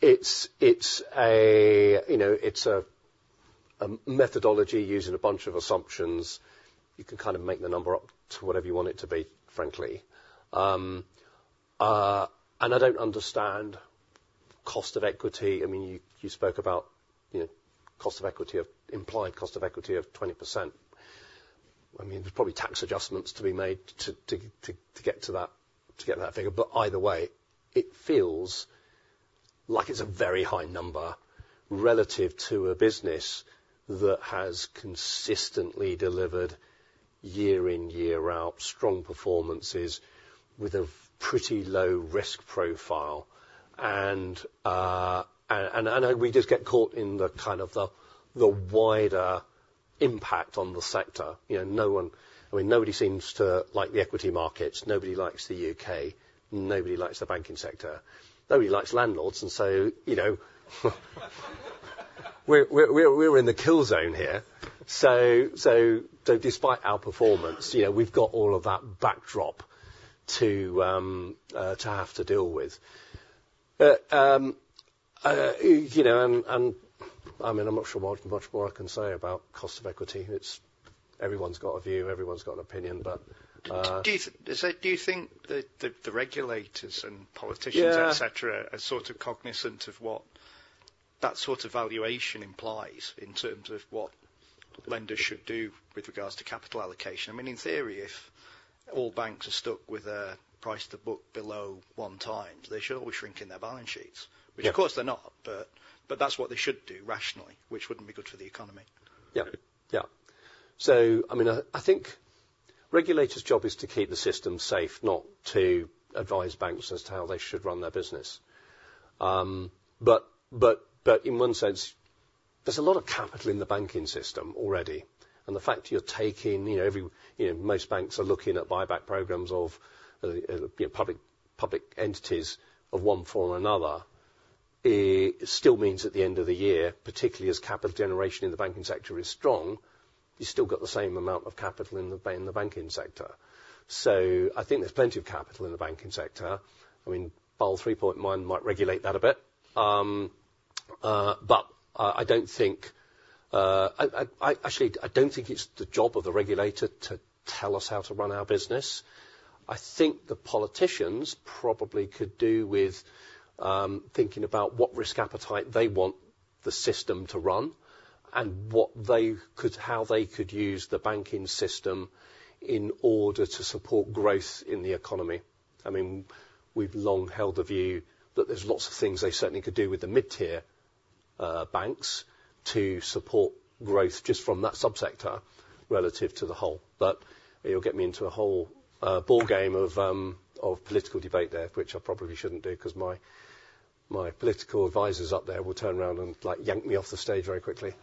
It's a, you know, it's a methodology using a bunch of assumptions. You can kind of make the number up to whatever you want it to be, frankly. And I don't understand cost of equity. I mean, you spoke about, you know, cost of equity of, implied cost of equity of 20%. I mean, there's probably tax adjustments to be made to get to that figure, but either way, it feels like it's a very high number relative to a business that has consistently delivered year in, year out, strong performances with a pretty low risk profile. And we just get caught in the kind of the wider impact on the sector. You know, no one—I mean, nobody seems to like the equity markets, nobody likes the U.K., nobody likes the banking sector, nobody likes landlords, and so, you know, we're in the kill zone here. So despite our performance, you know, we've got all of that backdrop to have to deal with. But you know, and I mean, I'm not sure much more I can say about cost of equity. It's, everyone's got a view, everyone's got an opinion, but So, do you think that the regulators and politicians- Yeah... et cetera, are sort of cognizant of what that sort of valuation implies in terms of what lenders should do with regards to capital allocation? I mean, in theory, if all banks are stuck with a price to book below 1x, they should all be shrinking their balance sheets. Yeah. Which, of course, they're not, but, but that's what they should do rationally, which wouldn't be good for the economy. Yeah. Yeah. So I mean, I think regulators' job is to keep the system safe, not to advise banks as to how they should run their business. But in one sense, there's a lot of capital in the banking system already, and the fact you're taking, you know, every, you know, most banks are looking at buyback programs of, you know, public entities of one form or another, it still means at the end of the year, particularly as capital generation in the banking sector is strong, you've still got the same amount of capital in the banking sector. So I think there's plenty of capital in the banking sector. I mean, Basel 3.1 might regulate that a bit. But I don't think. Actually, I don't think it's the job of the regulator to tell us how to run our business. I think the politicians probably could do with thinking about what risk appetite they want the system to run, and what they could, how they could use the banking system in order to support growth in the economy. I mean, we've long held the view that there's lots of things they certainly could do with the mid-tier banks to support growth just from that subsector relative to the whole. But you'll get me into a whole ballgame of political debate there, which I probably shouldn't do, 'cause my political advisors up there will turn around and, like, yank me off the stage very quickly.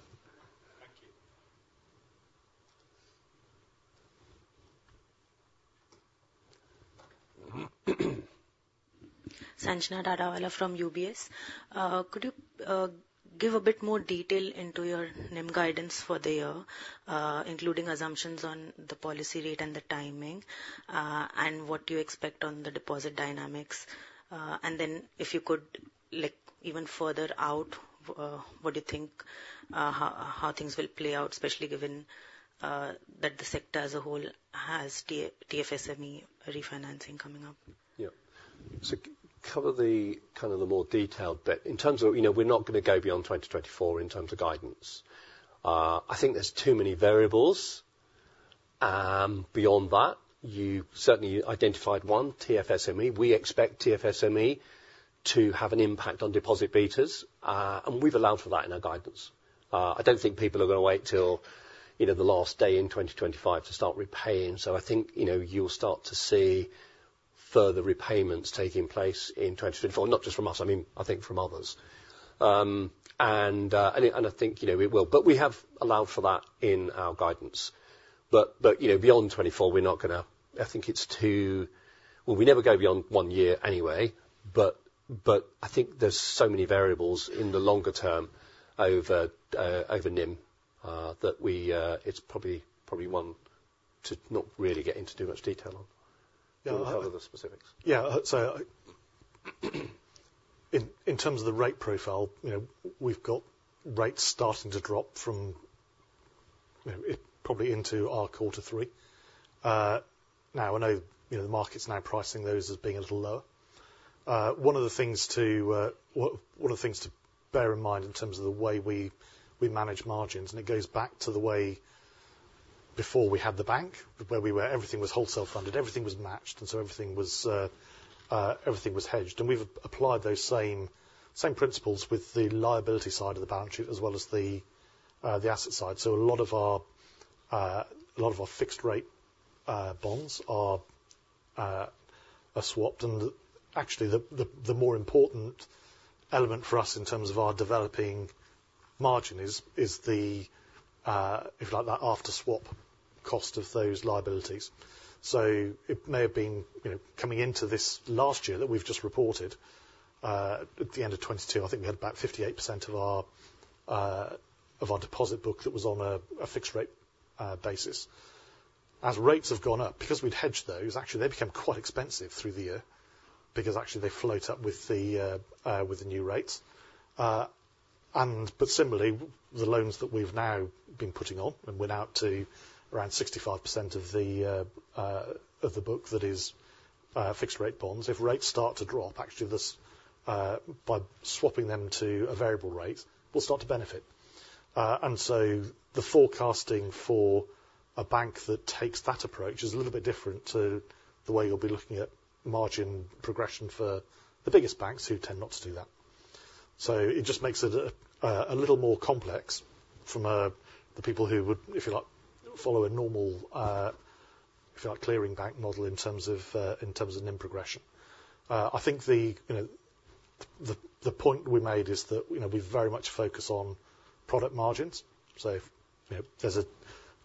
Thank you. Sanjena Dadawala from UBS. Could you give a bit more detail into your NIM guidance for the year, including assumptions on the policy rate and the timing, and what you expect on the deposit dynamics? And then if you could, like, even further out, what you think, how things will play out, especially given that the sector as a whole has TFSME refinancing coming up? Yeah. So cover the, kind of, more detailed bit. In terms of, you know, we're not going to go beyond 2024 in terms of guidance. I think there's too many variables. Beyond that, you certainly identified one TFSME. We expect TFSME to have an impact on deposit betas, and we've allowed for that in our guidance. I don't think people are going to wait till, you know, the last day in 2025 to start repaying. So I think, you know, you'll start to see further repayments taking place in 2024. Not just from us, I mean, I think from others. And I think, you know, we will. But we have allowed for that in our guidance. But, you know, beyond 2024, we're not gonna - I think it's too... Well, we never go beyond one year anyway, but, but I think there's so many variables in the longer term over, over NIM, that we, it's probably, probably one to not really get into too much detail on. Yeah. Do you want to cover the specifics? Yeah. So in terms of the rate profile, you know, we've got rates starting to drop from, you know, probably into our quarter three. Now, I know, you know, the market's now pricing those as being a little lower. One of the things to bear in mind in terms of the way we manage margins, and it goes back to the way before we had the bank, where we were, everything was wholesale funded, everything was matched, and so everything was hedged. And we've applied those same principles with the liability side of the balance sheet, as well as the asset side. So a lot of our fixed rate bonds are swapped. And actually, the more important element for us in terms of our developing margin is the if like that after swap cost of those liabilities. So it may have been, you know, coming into this last year that we've just reported, at the end of 2022, I think we had about 58% of our deposit book that was on a fixed rate basis. As rates have gone up, because we'd hedged those, actually, they became quite expensive through the year, because actually they float up with the new rates. And but similarly, the loans that we've now been putting on and went out to around 65% of the book, that is fixed rate bonds. If rates start to drop, actually this, by swapping them to a variable rate, we'll start to benefit. And so the forecasting for a bank that takes that approach is a little bit different to the way you'll be looking at margin progression for the biggest banks, who tend not to do that. So it just makes it a little more complex from a, the people who would, if you like, follow a normal, if you like, clearing bank model in terms of, in terms of NIM progression. I think the, you know, the, the point we made is that, you know, we very much focus on product margins. So if, you know, there's a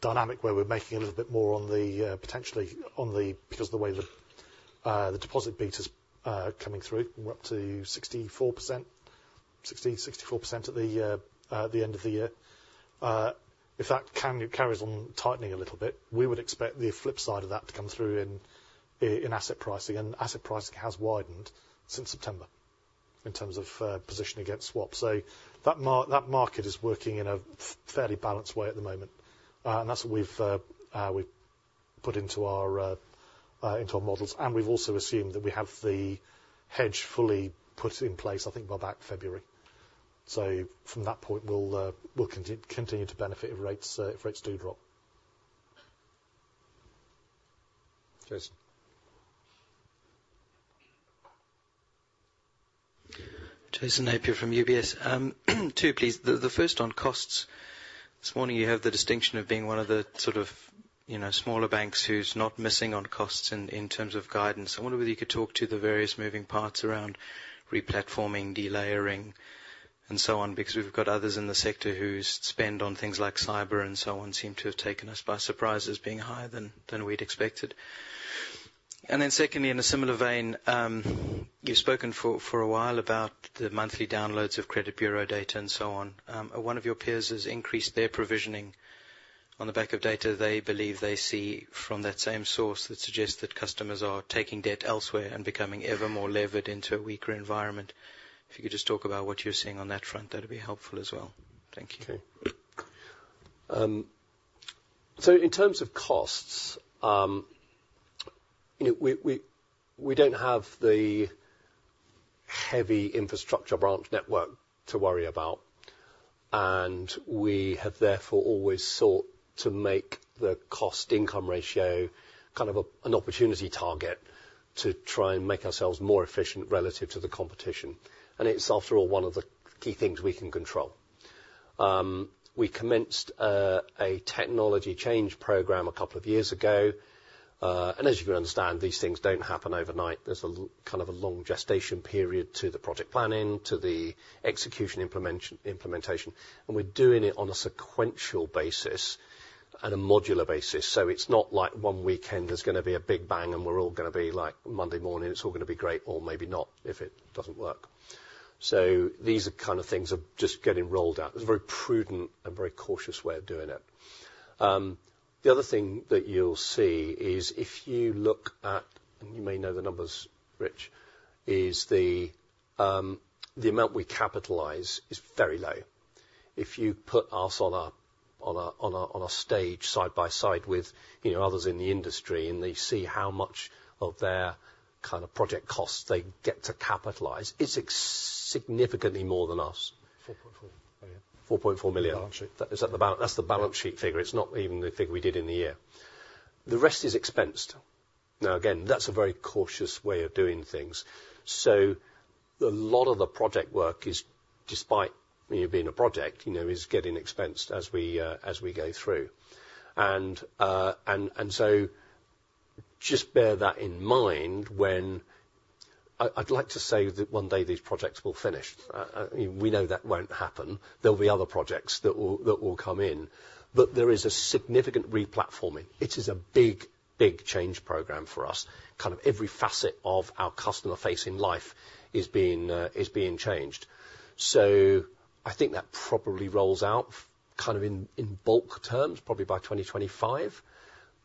dynamic where we're making a little bit more on the, potentially on the, because the way the, the deposit beta is coming through, we're up to 64%, 64% at the end of the year. If that carries on tightening a little bit, we would expect the flip side of that to come through in asset pricing, and asset pricing has widened since September in terms of position against swap. So that market is working in a fairly balanced way at the moment, and that's what we've put into our models. We've also assumed that we have the hedge fully put in place, I think, by about February. From that point, we'll continue to benefit if rates do drop. Jason. Jason Napier from UBS. Two, please. The first on costs. This morning, you have the distinction of being one of the sort of, you know, smaller banks who's not missing on costs in terms of guidance. I wonder whether you could talk to the various moving parts around replatforming, delayering, and so on, because we've got others in the sector whose spend on things like cyber and so on seem to have taken us by surprise as being higher than we'd expected. And then secondly, in a similar vein, you've spoken for a while about the monthly downloads of credit bureau data and so on. One of your peers has increased their provisioning on the back of data they believe they see from that same source that suggests that customers are taking debt elsewhere and becoming ever more levered into a weaker environment. If you could just talk about what you're seeing on that front, that'd be helpful as well. Thank you. Okay. So in terms of costs, you know, we don't have the heavy infrastructure branch network to worry about, and we have therefore, always sought to make the cost-income ratio kind of a, an opportunity target to try and make ourselves more efficient relative to the competition. And it's, after all, one of the key things we can control. We commenced a technology change program a couple of years ago, and as you can understand, these things don't happen overnight. There's a kind of a long gestation period to the project planning, to the execution implementation, and we're doing it on a sequential basis and a modular basis. So it's not like one weekend there's gonna be a big bang, and we're all gonna be like, Monday morning, it's all gonna be great, or maybe not, if it doesn't work. So these are kind of things are just getting rolled out. It's a very prudent and very cautious way of doing it. The other thing that you'll see is if you look at, and you may know the numbers, Rich, is the amount we capitalize is very low. If you put us on a stage side by side with, you know, others in the industry, and you see how much of their kind of project costs they get to capitalize, it's significantly more than us. 4.4 million. 4.4 million. Balance sheet. Is that the balance sheet figure. It's not even the figure we did in the year. The rest is expensed. Now, again, that's a very cautious way of doing things, so a lot of the project work is, despite it being a project, you know, is getting expensed as we, as we go through. And so just bear that in mind when—I, I'd like to say that one day these projects will finish. We know that won't happen. There'll be other projects that will come in, but there is a significant replatforming. It is a big, big change program for us. Kind of every facet of our customer-facing life is being, is being changed. So I think that probably rolls out kind of in bulk terms, probably by 2025.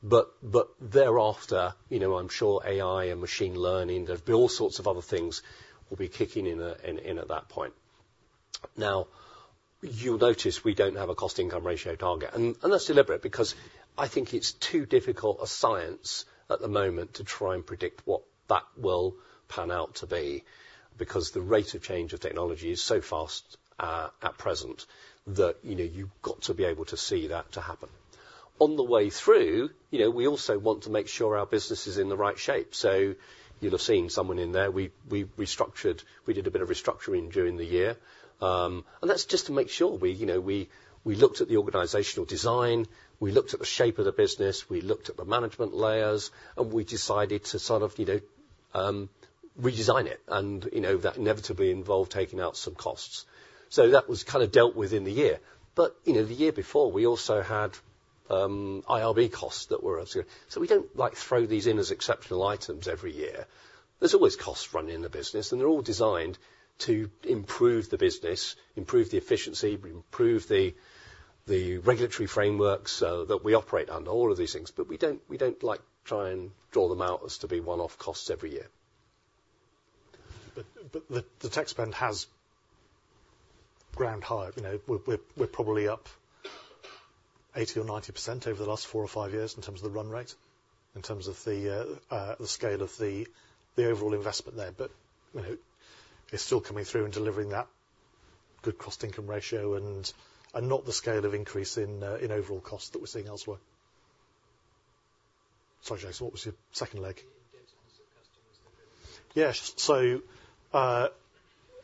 But thereafter, you know, I'm sure AI and machine learning, there'll be all sorts of other things will be kicking in at that point. Now, you'll notice we don't have a cost-income ratio target, and that's deliberate, because I think it's too difficult a science at the moment to try and predict what that will pan out to be, because the rate of change of technology is so fast at present, that, you know, you've got to be able to see that to happen. On the way through, you know, we also want to make sure our business is in the right shape. So you'll have seen someone in there, we restructured, we did a bit of restructuring during the year. That's just to make sure we, you know, looked at the organizational design, we looked at the shape of the business, we looked at the management layers, and we decided to sort of, you know, redesign it. You know, that inevitably involved taking out some costs. So that was kind of dealt with in the year. But you know, the year before, we also had IRB costs that were observed. So we don't, like, throw these in as exceptional items every year. There's always costs running in the business, and they're all designed to improve the business, improve the efficiency, improve the regulatory frameworks that we operate under, all of these things. But we don't, like, try and draw them out as to be one-off costs every year. But the tech spend has grown high. You know, we're probably up 80% or 90% over the last four or five years in terms of the run rate, in terms of the scale of the overall investment there. But you know, it's still coming through and delivering that good cost-income ratio and not the scale of increase in overall cost that we're seeing elsewhere. Sorry, James, what was your second leg? The debts on the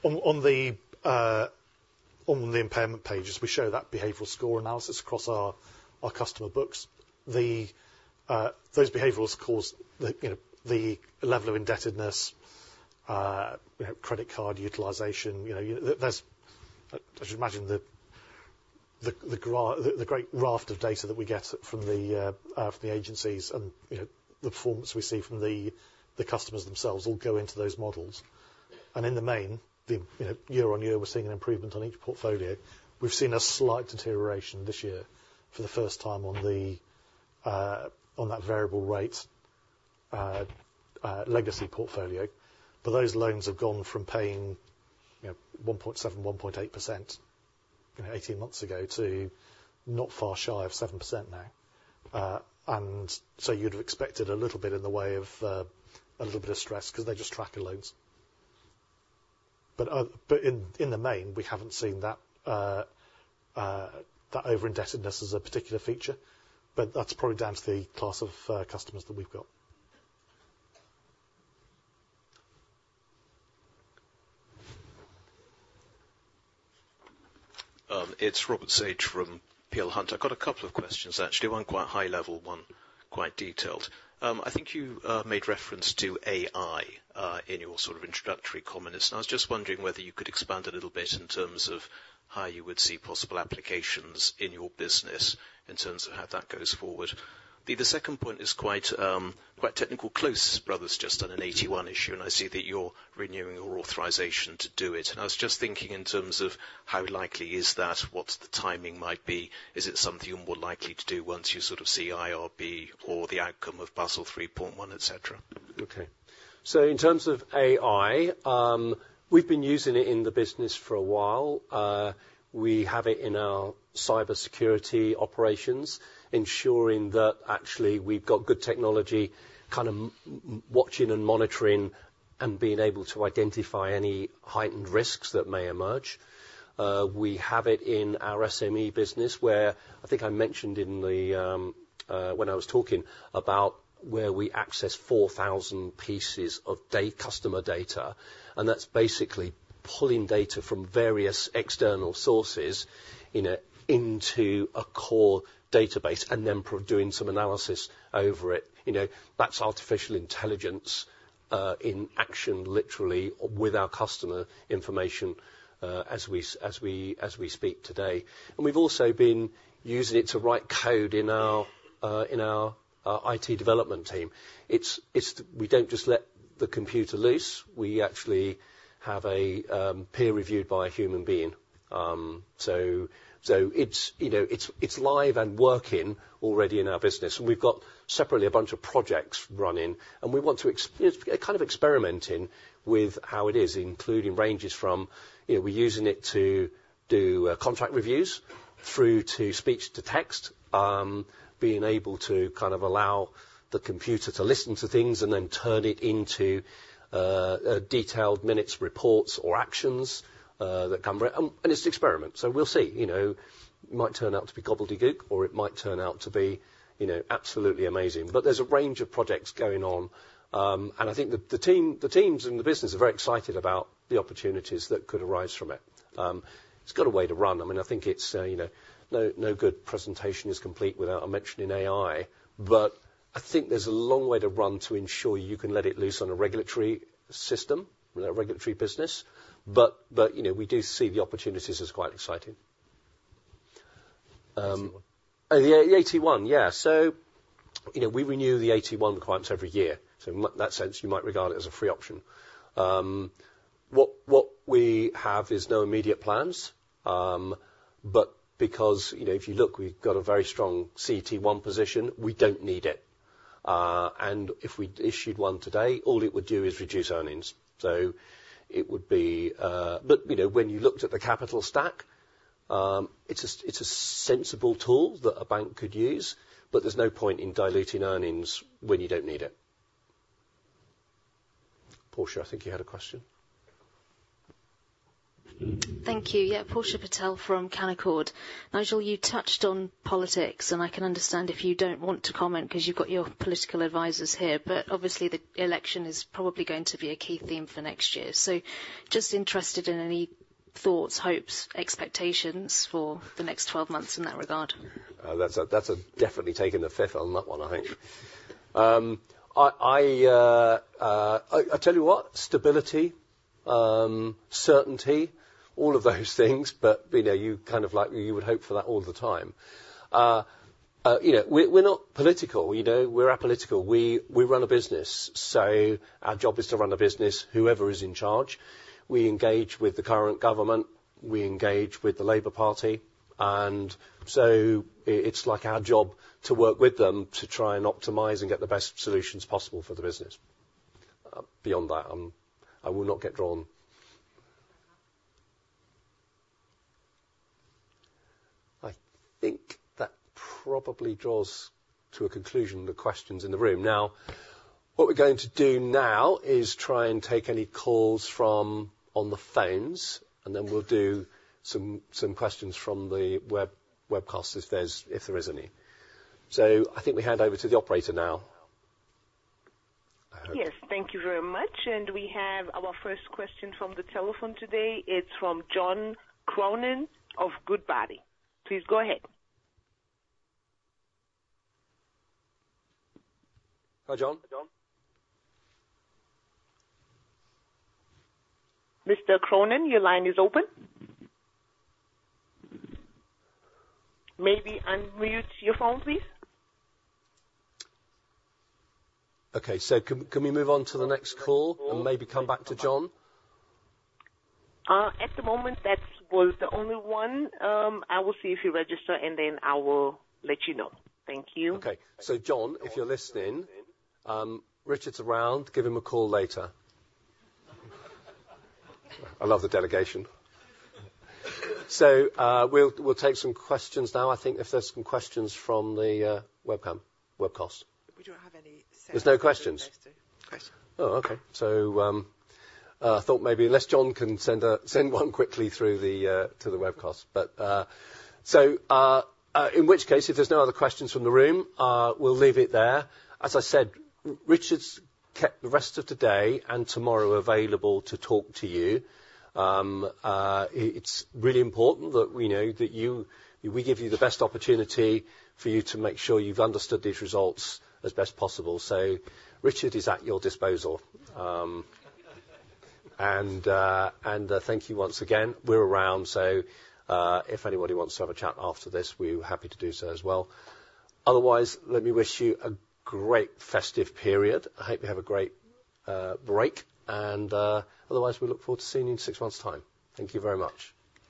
customers. Yes. So, on the impairment pages, we show that behavioral score analysis across our customer books. Those behavioral scores, you know, the level of indebtedness, we have credit card utilization, you know, there's, as you imagine, the great raft of data that we get from the agencies and, you know, the performance we see from the customers themselves all go into those models. And in the main, you know, year-on-year, we're seeing an improvement on each portfolio. We've seen a slight deterioration this year for the first time on that variable rate legacy portfolio. But those loans have gone from paying, you know, 1.7, 1.8%, you know, 18 months ago, to not far shy of 7% now. So you'd have expected a little bit in the way of a little bit of stress because they're just tracker loans. But in the main, we haven't seen that over-indebtedness as a particular feature, but that's probably down to the class of customers that we've got. It's Robert Sage from Peel Hunt. I've got a couple of questions, actually. One quite high level, one quite detailed. I think you made reference to AI in your sort of introductory comments, and I was just wondering whether you could expand a little bit in terms of how you would see possible applications in your business, in terms of how that goes forward. The second point is quite technical. Close Brothers just on an AT1 issue, and I see that you're renewing your authorization to do it. And I was just thinking in terms of how likely is that? What the timing might be? Is it something you're more likely to do once you sort of see IRB or the outcome of Basel 3.1, et cetera? Okay. So in terms of AI, we've been using it in the business for a while. We have it in our cybersecurity operations, ensuring that actually we've got good technology, kind of watching and monitoring, and being able to identify any heightened risks that may emerge. We have it in our SME business, where I think I mentioned when I was talking about where we access 4,000 pieces of customer data, and that's basically pulling data from various external sources into a core database and then doing some analysis over it. You know, that's artificial intelligence in action, literally, with our customer information, as we speak today. And we've also been using it to write code in our IT development team. It's. We don't just let the computer loose. We actually have a peer reviewed by a human being. So it's, you know, it's live and working already in our business, and we've got separately a bunch of projects running, and we want to ex- kind of experimenting with how it is, including ranges from. You know, we're using it to do contract reviews through to speech to text, being able to kind of allow the computer to listen to things and then turn it into a detailed minutes, reports, or actions that come right. And it's an experiment, so we'll see, you know. It might turn out to be gobbledygook, or it might turn out to be, you know, absolutely amazing. But there's a range of projects going on, and I think the team, the teams in the business are very excited about the opportunities that could arise from it. It's got a way to run. I mean, I think it's, you know, no good presentation is complete without mentioning AI, but I think there's a long way to run to ensure you can let it loose on a regulatory system, on a regulatory business. But, you know, we do see the opportunities as quite exciting. AT1. Yeah, AT1. Yeah, so, you know, we renew the AT1 licence every year, so in that sense, you might regard it as a free option. What we have is no immediate plans. But because, you know, if you look, we've got a very strong CET1 position, we don't need it. And if we issued one today, all it would do is reduce earnings. So it would be... But, you know, when you looked at the capital stack, it's a sensible tool that a bank could use, but there's no point in diluting earnings when you don't need it. Portia, I think you had a question? Thank you. Yeah, Portia Patel from Canaccord. Nigel, you touched on politics, and I can understand if you don't want to comment because you've got your political advisors here, but obviously, the election is probably going to be a key theme for next year. So just interested in any thoughts, hopes, expectations for the next 12 months in that regard. That's definitely taking the fifth on that one, I think. I tell you what, stability, certainty, all of those things, but, you know, you kind of like, you would hope for that all the time. You know, we're not political, you know, we're apolitical. We run a business, so our job is to run a business, whoever is in charge. We engage with the current government, we engage with the Labour Party, and so it's like our job to work with them to try and optimize and get the best solutions possible for the business. Beyond that, I will not get drawn. I think that probably draws to a conclusion the questions in the room. Now, what we're going to do now is try and take any calls from the phones, and then we'll do some questions from the webcast, if there is any. So I think we hand over to the operator now. Yes, thank you very much. We have our first question from the telephone today. It's from John Cronin of Goodbody. Please go ahead. Hi, John. Mr. Cronin, your line is open. Maybe unmute your phone, please. Okay, so can we move on to the next call and maybe come back to John? At the moment, that was the only one. I will see if he registers, and then I will let you know. Thank you. Okay. So, John, if you're listening, Richard's around, give him a call later. I love the delegation. So, we'll take some questions now, I think if there's some questions from the webcam, webcast. We don't have any so- There's no questions? Okay. Oh, okay. So, I thought maybe unless John can send one quickly through to the webcast. But, so, in which case, if there's no other questions from the room, we'll leave it there. As I said, Richard's kept the rest of today and tomorrow available to talk to you. It's really important that we know that you—we give you the best opportunity for you to make sure you've understood these results as best possible. So Richard is at your disposal. And, thank you once again. We're around, so, if anybody wants to have a chat after this, we're happy to do so as well. Otherwise, let me wish you a great festive period. I hope you have a great break, and otherwise, we look forward to seeing you in six months' time. Thank you very much.